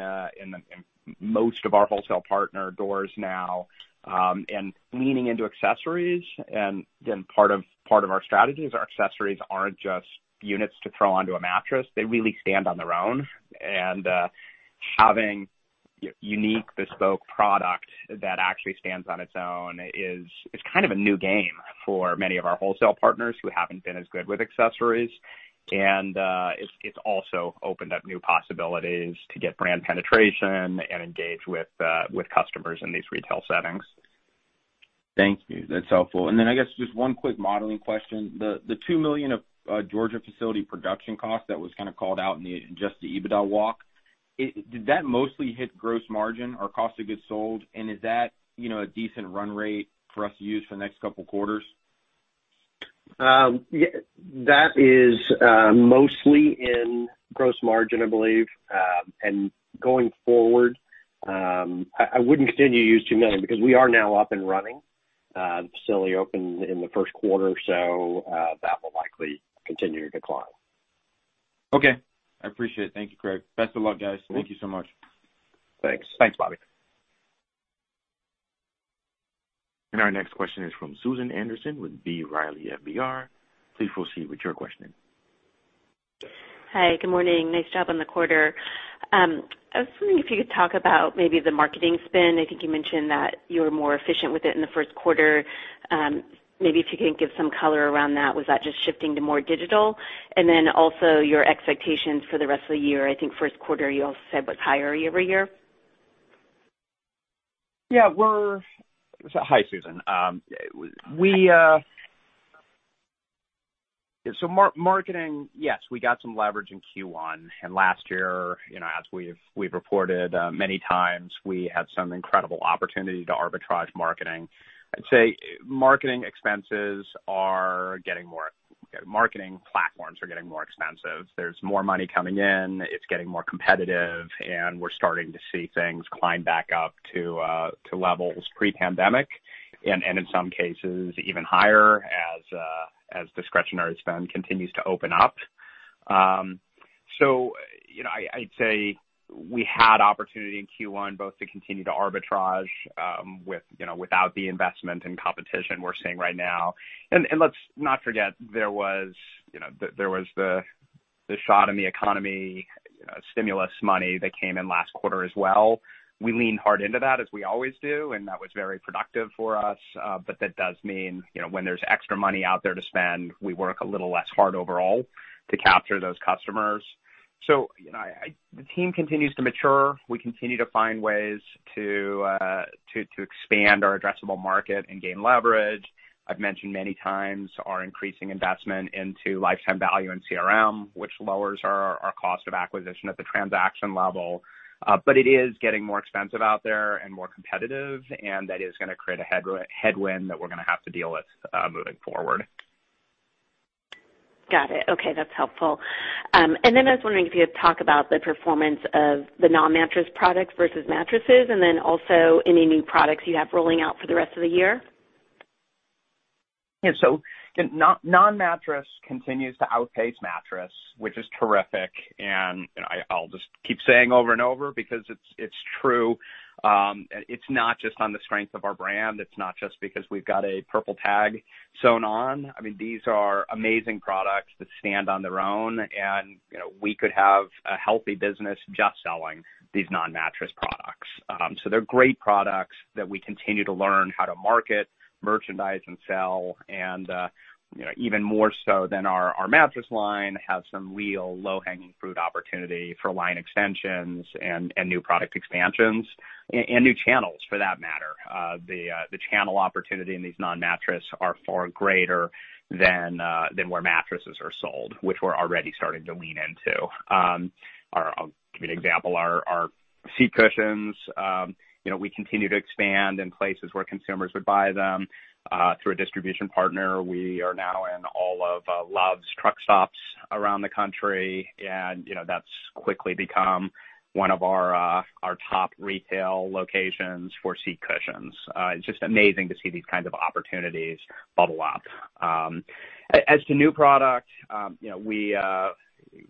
most of our wholesale partner doors now, and leaning into accessories. Again, part of our strategy is our accessories aren't just units to throw onto a mattress. They really stand on their own. Having unique bespoke product that actually stands on its own is kind of a new game for many of our wholesale partners who haven't been as good with accessories. It's also opened up new possibilities to get brand penetration and engage with customers in these retail settings. Thank you. That's helpful. Then I guess just one quick modeling question. The $2 million of Georgia facility production cost that was kind of called out in just the EBITDA walk, did that mostly hit gross margin or cost of goods sold? Is that a decent run rate for us to use for the next couple of quarters? Yeah, that is mostly in gross margin, I believe. Going forward, I wouldn't continue to use $2 million because we are now up and running, facility opened in the first quarter, so that will likely continue to decline. Okay, I appreciate it. Thank you, Craig. Best of luck, guys. Thank you so much. Thanks. Thanks, Bobby. Our next question is from Susan Anderson with B. Riley FBR. Please proceed with your question. Hi, good morning. Nice job on the quarter. I was wondering if you could talk about maybe the marketing spend. I think you mentioned that you were more efficient with it in the first quarter. Maybe if you could give some color around that. Was that just shifting to more digital? Also your expectations for the rest of the year. I think first quarter you all said was higher year-over-year. Yeah. Hi, Susan. Marketing, yes, we got some leverage in Q1. Last year, as we've reported many times, we had some incredible opportunity to arbitrage marketing. Marketing platforms are getting more expensive. There's more money coming in. It's getting more competitive, and we're starting to see things climb back up to levels pre-pandemic, and in some cases even higher as discretionary spend continues to open up. I'd say we had opportunity in Q1 both to continue to arbitrage without the investment in competition we're seeing right now. Let's not forget, there was the shot in the economy, stimulus money that came in last quarter as well. We leaned hard into that, as we always do, and that was very productive for us. That does mean, when there's extra money out there to spend, we work a little less hard overall to capture those customers. The team continues to mature. We continue to find ways to expand our addressable market and gain leverage. I've mentioned many times our increasing investment into lifetime value and CRM, which lowers our cost of acquisition at the transaction level. It is getting more expensive out there and more competitive, and that is going to create a headwind that we're going to have to deal with moving forward. Got it. Okay, that's helpful. I was wondering if you could talk about the performance of the non-mattress products versus mattresses, and then also any new products you have rolling out for the rest of the year. Yeah, non-mattress continues to outpace mattress, which is terrific. I'll just keep saying over and over because it's true. It's not just on the strength of our brand. It's not just because we've got a Purple tag sewn on. I mean, these are amazing products that stand on their own, and we could have a healthy business just selling these non-mattress products. They're great products that we continue to learn how to market, merchandise, and sell. Even more so than our mattress line, have some real low-hanging fruit opportunity for line extensions and new product expansions and new channels for that matter. The channel opportunity in these non-mattress are far greater than where mattresses are sold, which we're already starting to lean into. I'll give you an example. Our seat cushions, we continue to expand in places where consumers would buy them through a distribution partner. We are now in all of Love's truck stops around the country. That's quickly become one of our top retail locations for seat cushions. Just amazing to see these kind of opportunities bubble up. As for new product,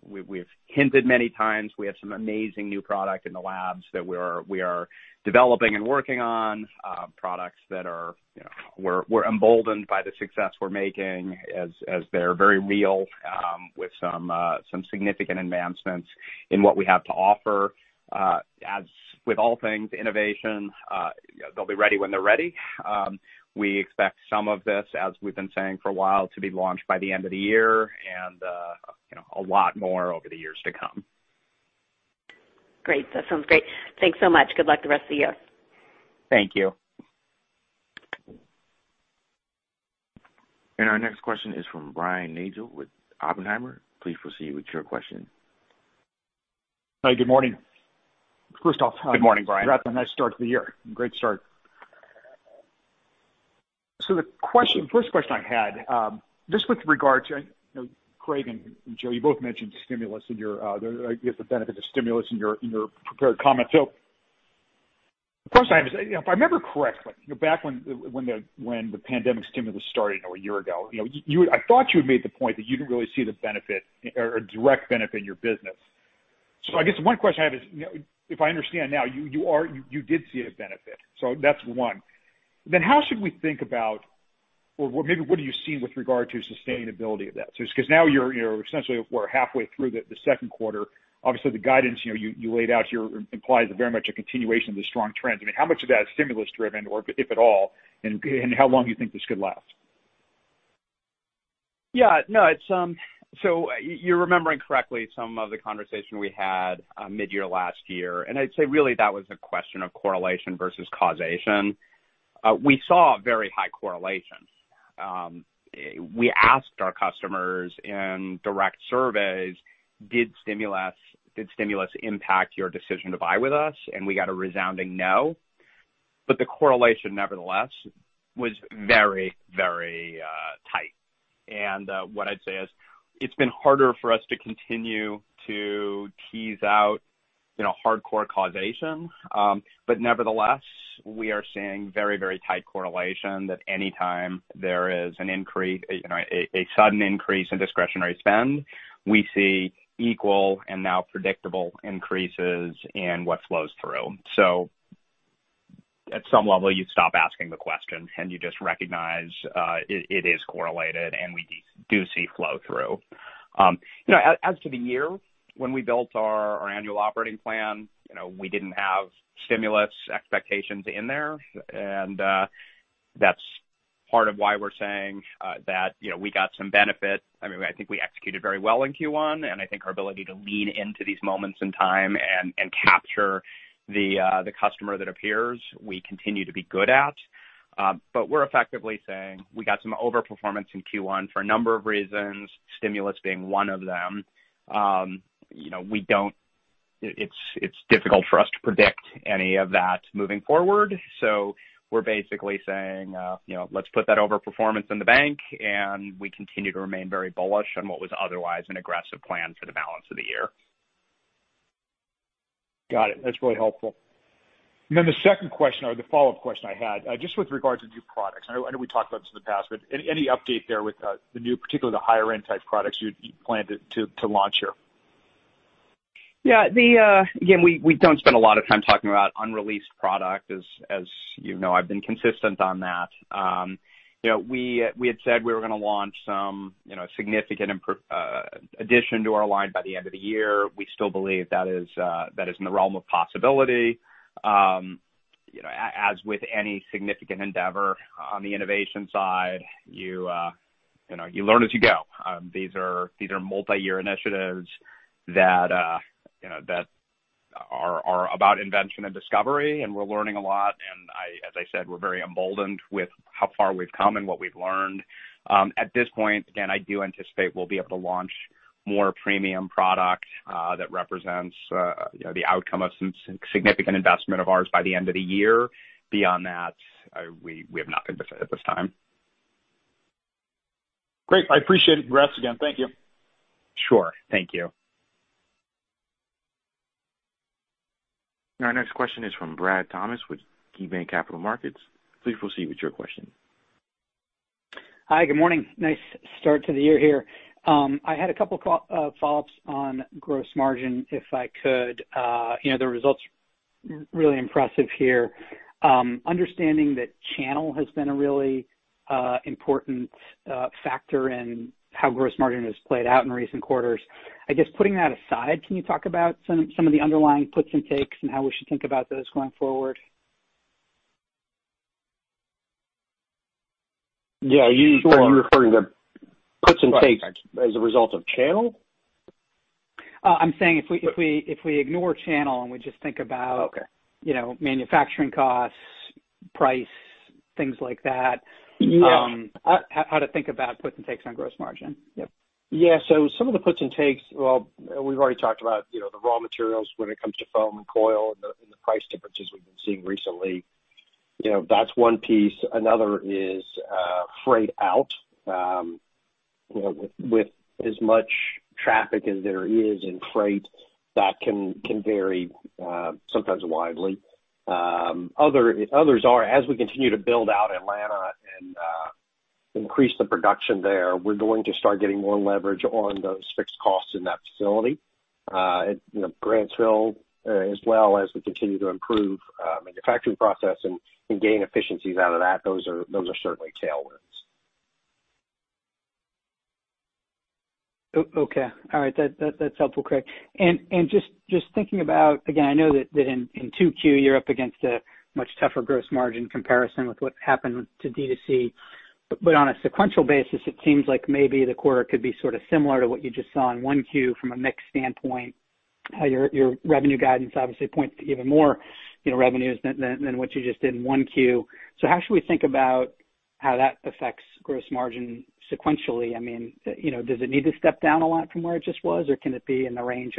we've hinted many times we have some amazing new product in the labs that we are developing and working on. Products that we're emboldened by the success we're making as they're very real with some significant advancements in what we have to offer. As with all things innovation, they'll be ready when they're ready. We expect some of this, as we've been saying for a while, to be launched by the end of the year and a lot more over the years to come. Great. That sounds great. Thanks so much. Good luck the rest of the year. Thank you. Our next question is from Brian Nagel with Oppenheimer. Please proceed with your question. Hi, good morning. Good morning, Brian. First off, you're off to a nice start to the year. Great start. The first question I had, just with regard to, Craig and Joe, you both mentioned the benefits of stimulus in your prepared comments. First, if I remember correctly, back when the pandemic stimulus started a year ago, I thought you had made the point that you didn't really see the benefit or a direct benefit in your business. I guess one question I have is, if I understand now, you did see a benefit. That's one. How should we think about or maybe what are you seeing with regard to sustainability of that? Just because now essentially we're halfway through the second quarter. Obviously, the guidance you laid out here implies very much a continuation of the strong trends. How much of that is stimulus driven or if at all, and how long do you think this could last? You're remembering correctly some of the conversation we had mid-year last year, and I'd say really that was a question of correlation versus causation. We saw a very high correlation. We asked our customers in direct surveys, "Did stimulus impact your decision to buy with us?" We got a resounding no. The correlation nevertheless was very tight. What I'd say is it's been harder for us to continue to tease out hardcore causation. Nevertheless, we are seeing very tight correlation that anytime there is a sudden increase in discretionary spend, we see equal and now predictable increases in what flows through. At some level you stop asking the question and you just recognize it is correlated and we do see flow through. As to the year, when we built our annual operating plan, we didn't have stimulus expectations in there. That's part of why we're saying that we got some benefit. I think we executed very well in Q1, and I think our ability to lean into these moments in time and capture the customer that appears, we continue to be good at. We're effectively saying we got some overperformance in Q1 for a number of reasons, stimulus being one of them. It's difficult for us to predict any of that moving forward. We're basically saying, let's put that overperformance in the bank and we continue to remain very bullish on what was otherwise an aggressive plan for the balance of the year. Got it. That's really helpful. The second question or the follow-up question I had, just with regard to new products. I know we talked about this in the past, any update there with the new, particularly the higher-end type products you plan to launch here? Yeah. Again, we don't spend a lot of time talking about unreleased product. As you know, I've been consistent on that. We had said we were going to launch some significant addition to our line by the end of the year. We still believe that is in the realm of possibility. As with any significant endeavor on the innovation side, you learn as you go. These are multi-year initiatives that are about invention and discovery, and we're learning a lot. As I said, we're very emboldened with how far we've come and what we've learned. At this point, again, I do anticipate we'll be able to launch more premium product that represents the outcome of some significant investment of ours by the end of the year. Beyond that, we have nothing to say at this time. Great. I appreciate it. Congrats again. Thank you. Sure. Thank you. Our next question is from Brad Thomas with KeyBanc Capital Markets. Please proceed with your question. Hi, good morning. Nice start to the year here. I had a couple follow-ups on gross margin, if I could. The results are really impressive here. Understanding that channel has been a really important factor in how gross margin has played out in recent quarters. I guess putting that aside, can you talk about some of the underlying puts and takes and how we should think about those going forward? Yeah. Are you referring to puts and takes as a result of channel? I'm saying if we ignore channel and we just think about. Okay manufacturing costs, price, things like that. Yeah. How to think about puts and takes on gross margin. Yep. Yeah. Some of the puts and takes, well, we've already talked about the raw materials when it comes to foam and coil and the price differences we've been seeing recently. That's one piece. Another is freight out. With as much traffic as there is in freight, that can vary sometimes widely. Others are, as we continue to build out Atlanta and increase the production there, we're going to start getting more leverage on those fixed costs in that facility. Grantsville, as well as we continue to improve manufacturing process and gain efficiencies out of that. Those are certainly tailwinds. Okay. All right. That's helpful, Craig. Just thinking about, again, I know that in 2Q, you're up against a much tougher gross margin comparison with what happened to D2C, but on a sequential basis, it seems like maybe the quarter could be sort of similar to what you just saw in 1Q from a mix standpoint. Your revenue guidance obviously points to even more revenues than what you just did in 1Q. How should we think about how that affects gross margin sequentially? Does it need to step down a lot from where it just was, or can it be in the range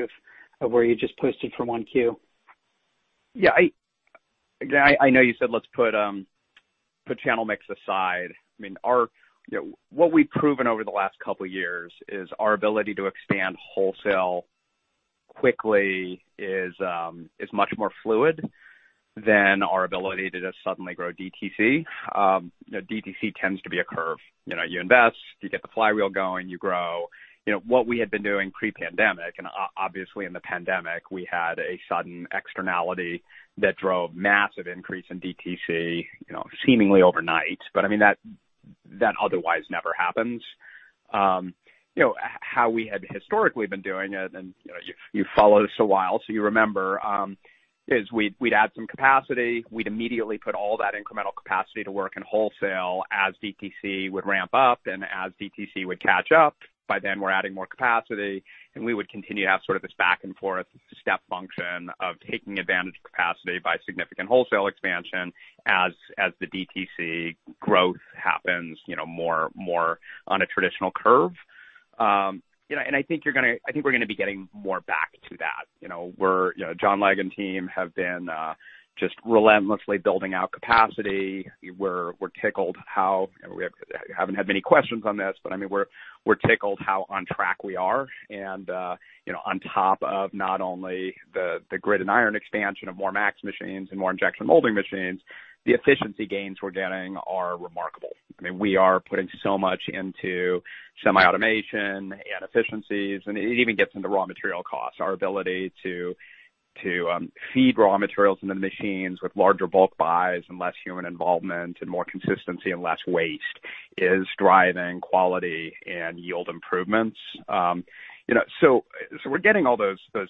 of where you just posted for one Q? Yeah. I know you said, let's put channel mix aside. What we've proven over the last couple of years is our ability to expand wholesale quickly is much more fluid than our ability to just suddenly grow DTC. DTC tends to be a curve. You invest, you get the flywheel going, you grow. What we had been doing pre-pandemic, and obviously in the pandemic, we had a sudden externality that drove massive increase in DTC seemingly overnight. That otherwise never happens. How we had historically been doing it, and you follow this a while, so you remember, is we'd add some capacity, we'd immediately put all that incremental capacity to work in wholesale as DTC would ramp up, and as DTC would catch up. Then, we're adding more capacity, and we would continue to have sort of this back and forth step function of taking advantage of capacity by significant wholesale expansion as the DTC growth happens more on a traditional curve. I think we're going to be getting more back to that. John Legg and team have been just relentlessly building out capacity. We haven't had many questions on this, but we're tickled how on track we are. On top of not only the Grid and iron expansion of more MAX machines and more injection molding machines, the efficiency gains we're getting are remarkable. We are putting so much into semi-automation and efficiencies, and it even gets into raw material costs. Our ability to feed raw materials into the machines with larger bulk buys and less human involvement and more consistency and less waste is driving quality and yield improvements. We're getting all those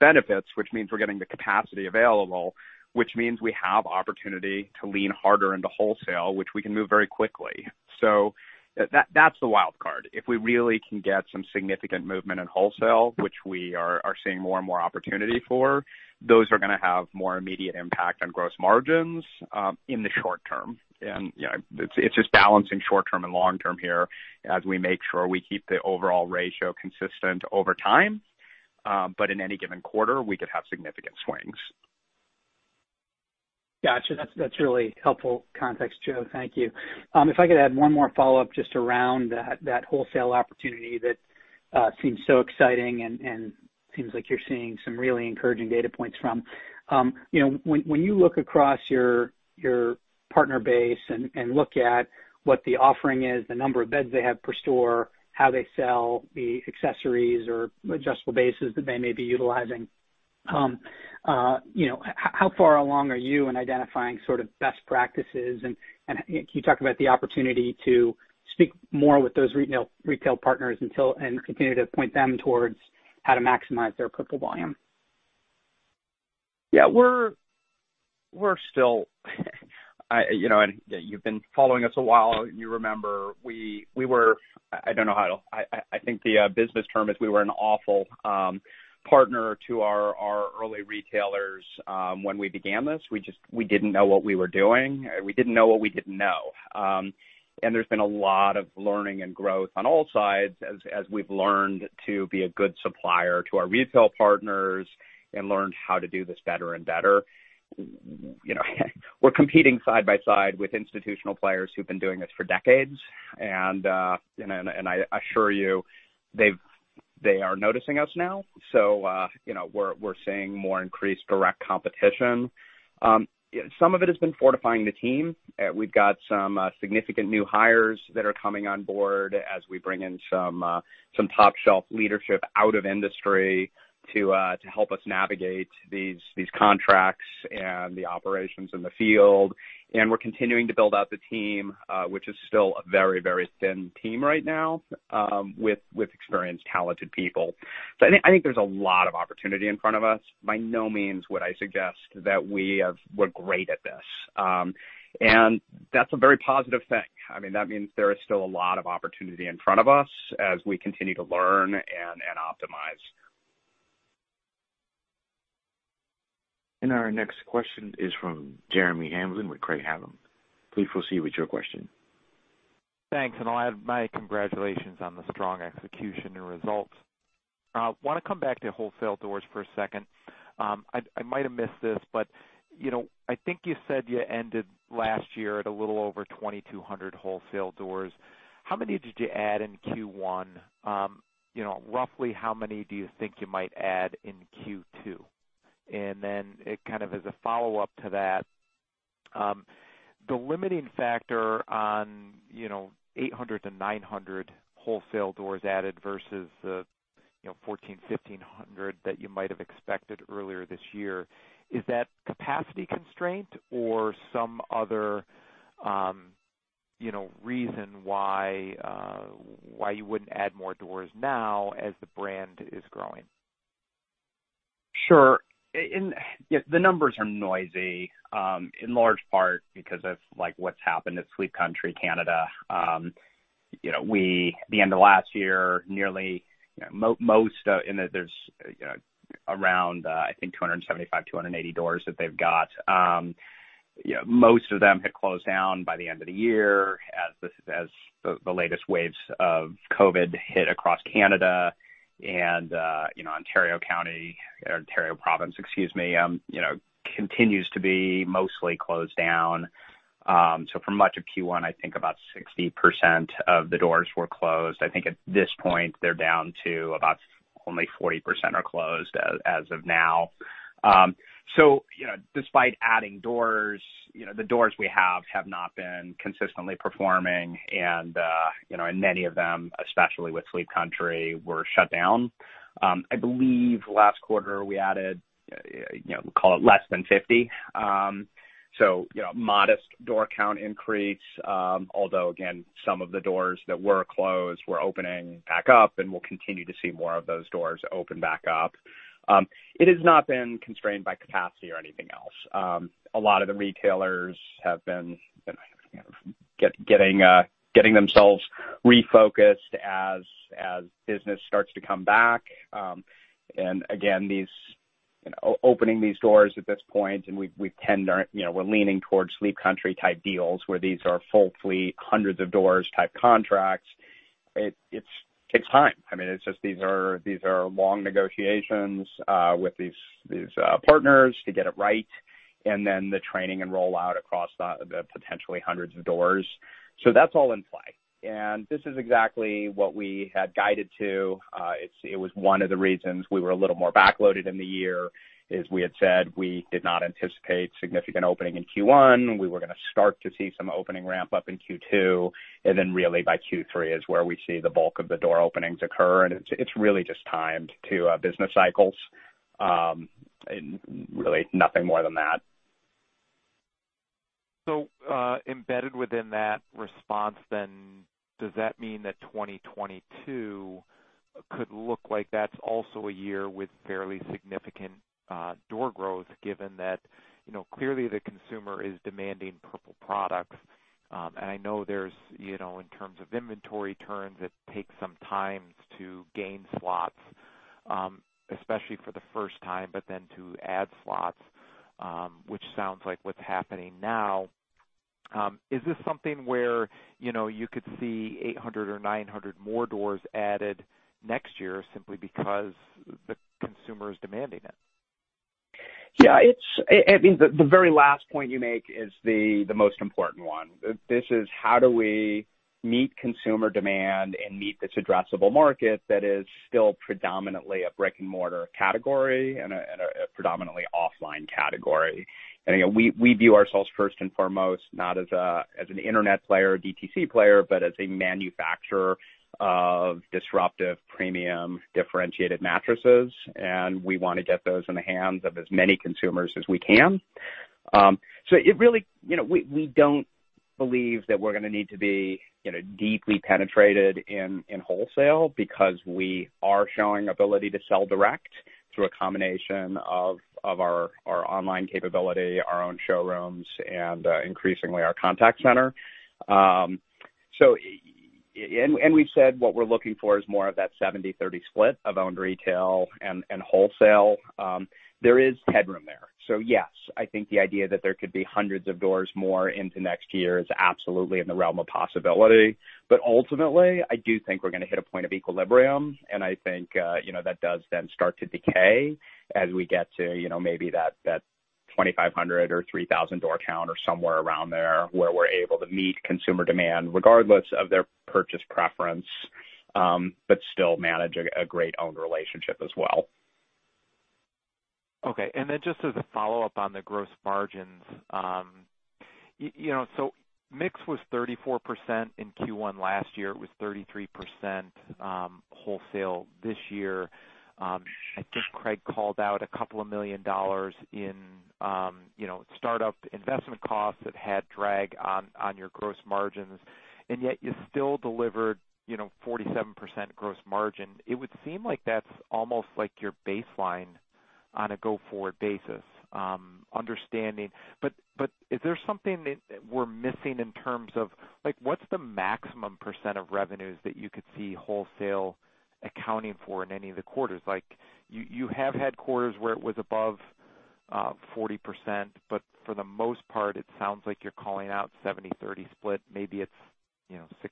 benefits, which means we're getting the capacity available, which means we have opportunity to lean harder into wholesale, which we can move very quickly. That's the wild card. If we really can get some significant movement in wholesale, which we are seeing more and more opportunity for, those are going to have more immediate impact on gross margins in the short term. It's just balancing short term and long term here as we make sure we keep the overall ratio consistent over time. In any given quarter, we could have significant swings. Got you. That's really helpful context, Joe. Thank you. I could add one more follow-up just around that wholesale opportunity that seems so exciting and seems like you're seeing some really encouraging data points from. You look across your partner base and look at what the offering is, the number of beds they have per store, how they sell the accessories or adjustable bases that they may be utilizing, how far along are you in identifying sort of best practices? Can you talk about the opportunity to speak more with those retail partners and continue to point them towards how to maximize their Purple volume? Yeah. You've been following us a while, and you remember, I think the business term is we were an awful partner to our early retailers when we began this. We didn't know what we were doing. We didn't know what we didn't know. There's been a lot of learning and growth on all sides as we've learned to be a good supplier to our retail partners and learned how to do this better and better. We're competing side by side with institutional players who've been doing this for decades, and I assure you, they are noticing us now. We're seeing more increased direct competition. Some of it has been fortifying the team. We've got some significant new hires that are coming on board as we bring in some top shelf leadership out of industry to help us navigate these contracts and the operations in the field. We're continuing to build out the team, which is still a very thin team right now, with experienced, talented people. I think there's a lot of opportunity in front of us. By no means would I suggest that we're great at this. That's a very positive thing. That means there is still a lot of opportunity in front of us as we continue to learn and optimize. Our next question is from Jeremy Hamblin with Craig-Hallum. Please proceed with your question. Thanks. I'll add my congratulations on the strong execution and results. I want to come back to wholesale doors for a second. I might have missed this, but I think you said you ended last year at a little over 2,200 wholesale doors. How many did you add in Q1? Roughly how many do you think you might add in Q2? Kind of as a follow-up to that, the limiting factor on 800-900 wholesale doors added versus the 1,400-1,500 that you might have expected earlier this year, is that capacity constraint or some other reason why you wouldn't add more doors now as the brand is growing? Sure. The numbers are noisy, in large part because of what's happened at Sleep Country Canada. At the end of last year, there's around, I think, 275, 280 doors that they've got. Most of them had closed down by the end of the year as the latest waves of COVID hit across Canada. Ontario province continues to be mostly closed down. For much of Q1, I think about 60% of the doors were closed. I think at this point, they're down to about only 40% are closed as of now. Despite adding doors, the doors we have have not been consistently performing and many of them, especially with Sleep Country, were shut down. I believe last quarter we added, call it less than 50. Modest door count increase. Again, some of the doors that were closed were opening back up, and we'll continue to see more of those doors open back up. It has not been constrained by capacity or anything else. A lot of the retailers have been getting themselves refocused as business starts to come back. Again, opening these doors at this point, and we're leaning towards Sleep Country type deals where these are full fleet, hundreds of doors type contracts. It takes time. These are long negotiations, with these partners to get it right, and then the training and rollout across the potentially hundreds of doors. That's all in play. This is exactly what we had guided to. It was one of the reasons we were a little more backloaded in the year, is we had said we did not anticipate significant opening in Q1. We were going to start to see some opening ramp up in Q2. Really by Q3 is where we see the bulk of the door openings occur. It's really just timed to business cycles, and really nothing more than that. Embedded within that response then, does that mean that 2022 could look like that's also a year with fairly significant door growth, given that clearly the consumer is demanding Purple products? I know there's, in terms of inventory turns, it takes some time to gain slots, especially for the first time, but then to add slots, which sounds like what's happening now. Is this something where you could see 800 or 900 more doors added next year simply because the consumer is demanding it? Yeah. The very last point you make is the most important one. This is how do we meet consumer demand and meet this addressable market that is still predominantly a brick and mortar category and a predominantly offline category. We view ourselves first and foremost, not as an internet player, DTC player, but as a manufacturer of disruptive, premium, differentiated mattresses, and we want to get those in the hands of as many consumers as we can. We don't believe that we're going to need to be deeply penetrated in wholesale because we are showing ability to sell direct through a combination of our online capability, our own showrooms, and increasingly our contact center. We've said what we're looking for is more of that 70-30 split of owned retail and wholesale. There is headroom there. Yes, I think the idea that there could be hundreds of doors more into next year is absolutely in the realm of possibility. Ultimately, I do think we're going to hit a point of equilibrium, and I think that does then start to decay as we get to maybe that 2,500 or 3,000 door count or somewhere around there where we're able to meet consumer demand regardless of their purchase preference, but still manage a great owned relationship as well. Okay, just as a follow-up on the gross margins. Mix was 34% in Q1 last year. It was 33% wholesale this year. I think Craig called out a couple of million dollars in startup investment costs that had drag on your gross margins, and yet you still delivered 47% gross margin. It would seem like that's almost like your baseline on a go-forward basis. Is there something that we're missing in terms of, what's the maximum percent of revenues that you could see wholesale accounting for in any of the quarters? You have had quarters where it was above 40%, but for the most part, it sounds like you're calling out 70-30 split. Maybe it's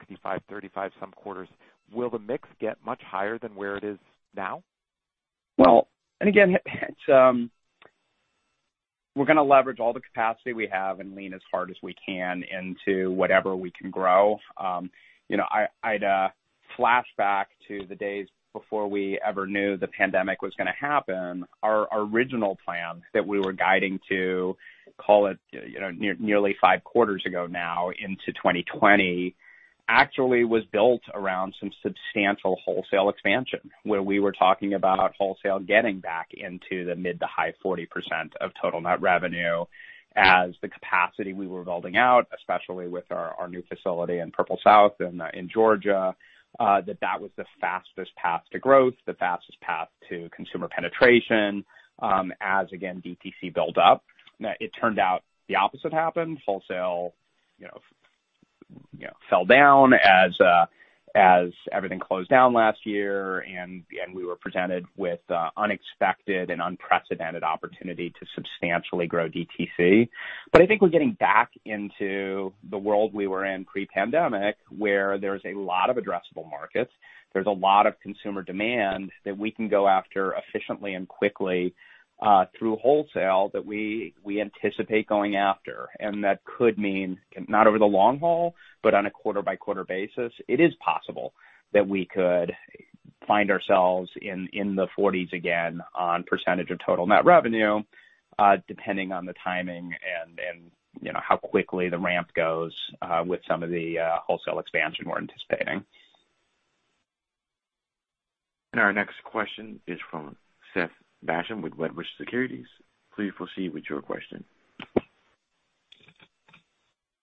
65-35 some quarters. Will the mix get much higher than where it is now? Well, again, we're going to leverage all the capacity we have and lean as hard as we can into whatever we can grow. I'd flashback to the days before we ever knew the pandemic was going to happen. Our original plan that we were guiding to, call it, nearly five quarters ago now into 2020. Actually was built around some substantial wholesale expansion, where we were talking about wholesale getting back into the mid to high 40% of total net revenue as the capacity we were building out, especially with our new facility in Purple South and in Georgia, that was the fastest path to growth, the fastest path to consumer penetration, as again, DTC build up. It turned out the opposite happened. Wholesale fell down as everything closed down last year. We were presented with unexpected and unprecedented opportunity to substantially grow DTC. I think we're getting back into the world we were in pre-pandemic, where there's a lot of addressable markets. There's a lot of consumer demand that we can go after efficiently and quickly, through wholesale that we anticipate going after. That could mean not over the long haul, but on a quarter-by-quarter basis. It is possible that we could find ourselves in the 40s again on percentage of total net revenue, depending on the timing and how quickly the ramp goes, with some of the wholesale expansion we're anticipating. Our next question is from Seth Basham with Wedbush Securities. Please proceed with your question.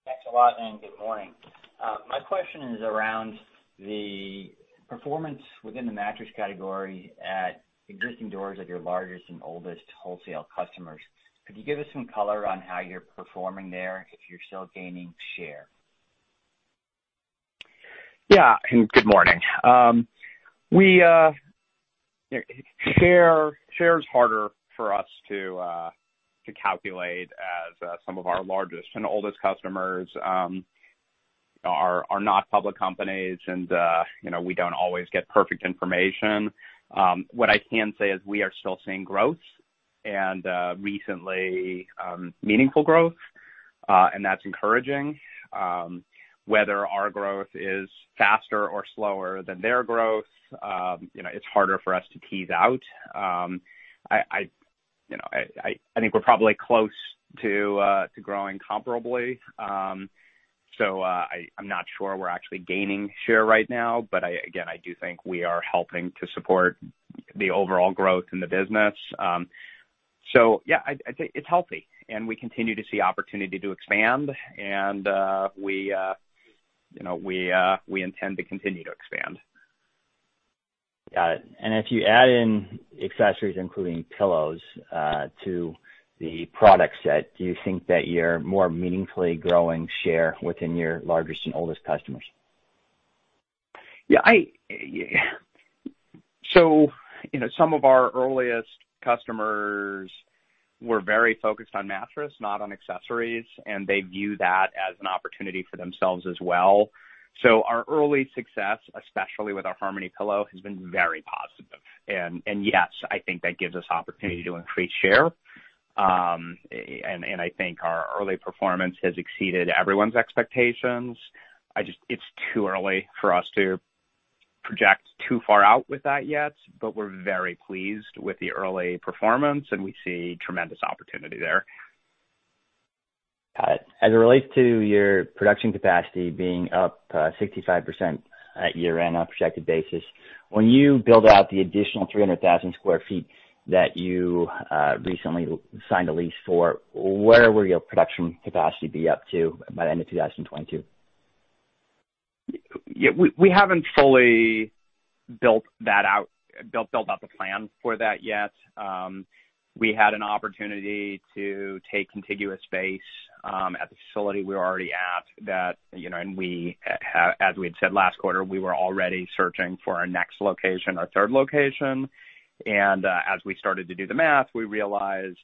Thanks a lot, and good morning. My question is around the performance within the mattress category at existing doors of your largest and oldest wholesale customers. Could you give us some color on how you're performing there, if you're still gaining share? Yeah. Good morning. Share is harder for us to calculate as some of our largest and oldest customers are not public companies, and we don't always get perfect information. What I can say is we are still seeing growth and, recently, meaningful growth. That's encouraging. Whether our growth is faster or slower than their growth, it's harder for us to tease out. I think we're probably close to growing comparably. I'm not sure we're actually gaining share right now, but again, I do think we are helping to support the overall growth in the business. Yeah, I'd say it's healthy and we continue to see opportunity to expand and we intend to continue to expand. Got it. If you add in accessories, including pillows, to the product set, do you think that you're more meaningfully growing share within your largest and oldest customers? Some of our earliest customers were very focused on mattress, not on accessories, and they view that as an opportunity for themselves as well. Our early success, especially with our Harmony pillow, has been very positive. Yes, I think that gives us opportunity to increase share. I think our early performance has exceeded everyone's expectations. It's too early for us to project too far out with that yet, but we're very pleased with the early performance and we see tremendous opportunity there. Got it. As it relates to your production capacity being up 65% at year-end on a projected basis, when you build out the additional 300,000 square feet that you recently signed a lease for, where will your production capacity be up to by the end of 2022? We haven't fully built out the plan for that yet. We had an opportunity to take contiguous space at the facility we were already at. As we had said last quarter, we were already searching for our next location, our third location, as we started to do the math, we realized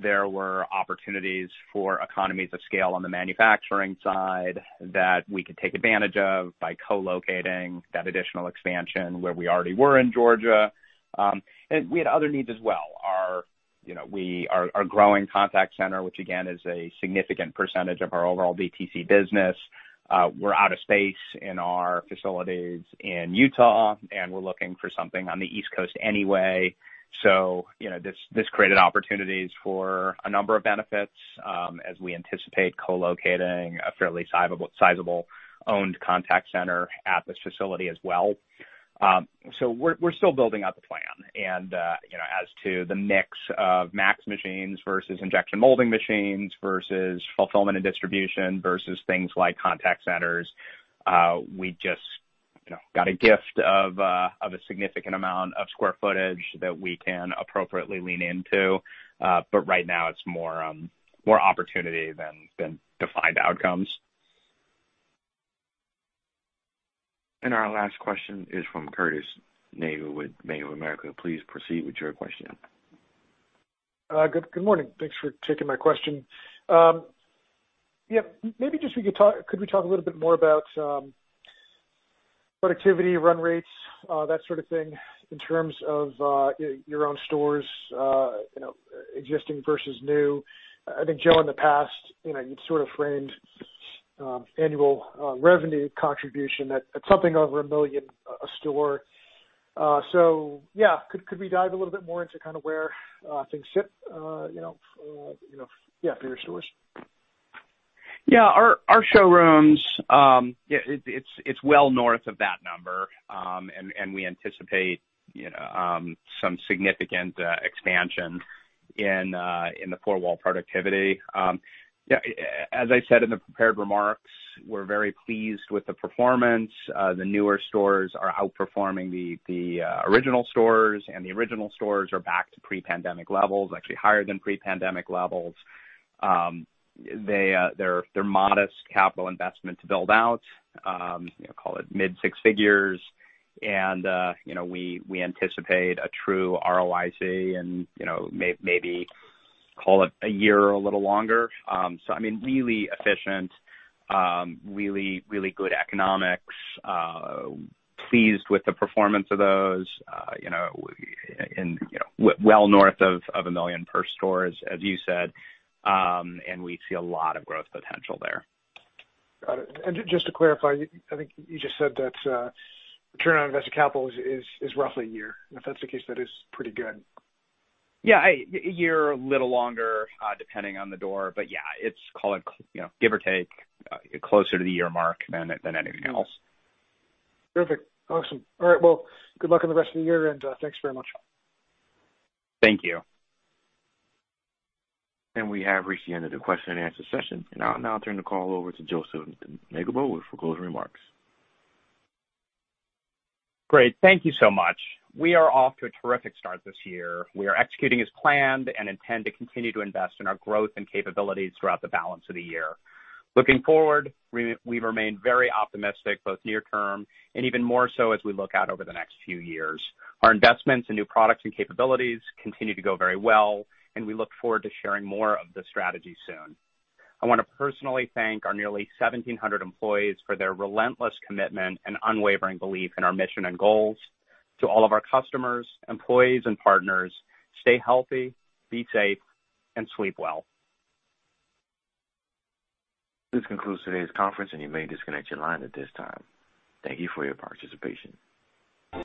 there were opportunities for economies of scale on the manufacturing side that we could take advantage of by co-locating that additional expansion where we already were in Georgia. We had other needs as well. Our growing contact center, which again, is a significant percentage of our overall DTC business. We're out of space in our facilities in Utah, and we're looking for something on the East Coast anyway. This created opportunities for a number of benefits, as we anticipate co-locating a fairly sizable owned contact center at this facility as well. We're still building out the plan and as to the mix of MAX machines versus injection molding machines versus fulfillment and distribution versus things like contact centers, we just got a gift of a significant amount of square footage that we can appropriately lean into. Right now it's more opportunity than defined outcomes. Our last question is from Curtis Nagle with Bank of America. Please proceed with your question. Good morning. Thanks for taking my question. Could we talk a little bit more about productivity run rates, that sort of thing in terms of your own stores, existing versus new? I think, Joe, in the past, you'd sort of framed annual revenue contribution at something over $1 million a store. Could we dive a little bit more into where things sit for your stores? Yeah, our showrooms, it's well north of that number. We anticipate some significant expansion in the four-wall productivity. As I said in the prepared remarks, we're very pleased with the performance. The newer stores are outperforming the original stores, and the original stores are back to pre-pandemic levels, actually higher than pre-pandemic levels. They're modest capital investments to build out. Call it mid six figures. We anticipate a true ROIC in maybe call it a year, a little longer. I mean, really efficient, really good economics, pleased with the performance of those, and well north of $1 million per stores, as you said. We see a lot of growth potential there. Got it. Just to clarify, I think you just said that return on invested capital is roughly a year. If that's the case, that is pretty good. Yeah. A year, a little longer, depending on the door. Yeah, it's call it give or take, closer to the year mark than anything else. Perfect. Awesome. All right, well, good luck with the rest of the year, and thanks very much. Thank you. We have reached the end of the question and answer session. I'll now turn the call over to Joe Megibow, for closing remarks. Great. Thank you so much. We are off to a terrific start this year. We are executing as planned and intend to continue to invest in our growth and capabilities throughout the balance of the year. Looking forward, we remain very optimistic both near term and even more so as we look out over the next few years. Our investments in new products and capabilities continue to go very well, and we look forward to sharing more of the strategy soon. I want to personally thank our nearly 1,700 employees for their relentless commitment and unwavering belief in our mission and goals. To all of our customers, employees, and partners, stay healthy, be safe, and sleep well. This concludes today's conference, and you may disconnect your line at this time. Thank you for your participation.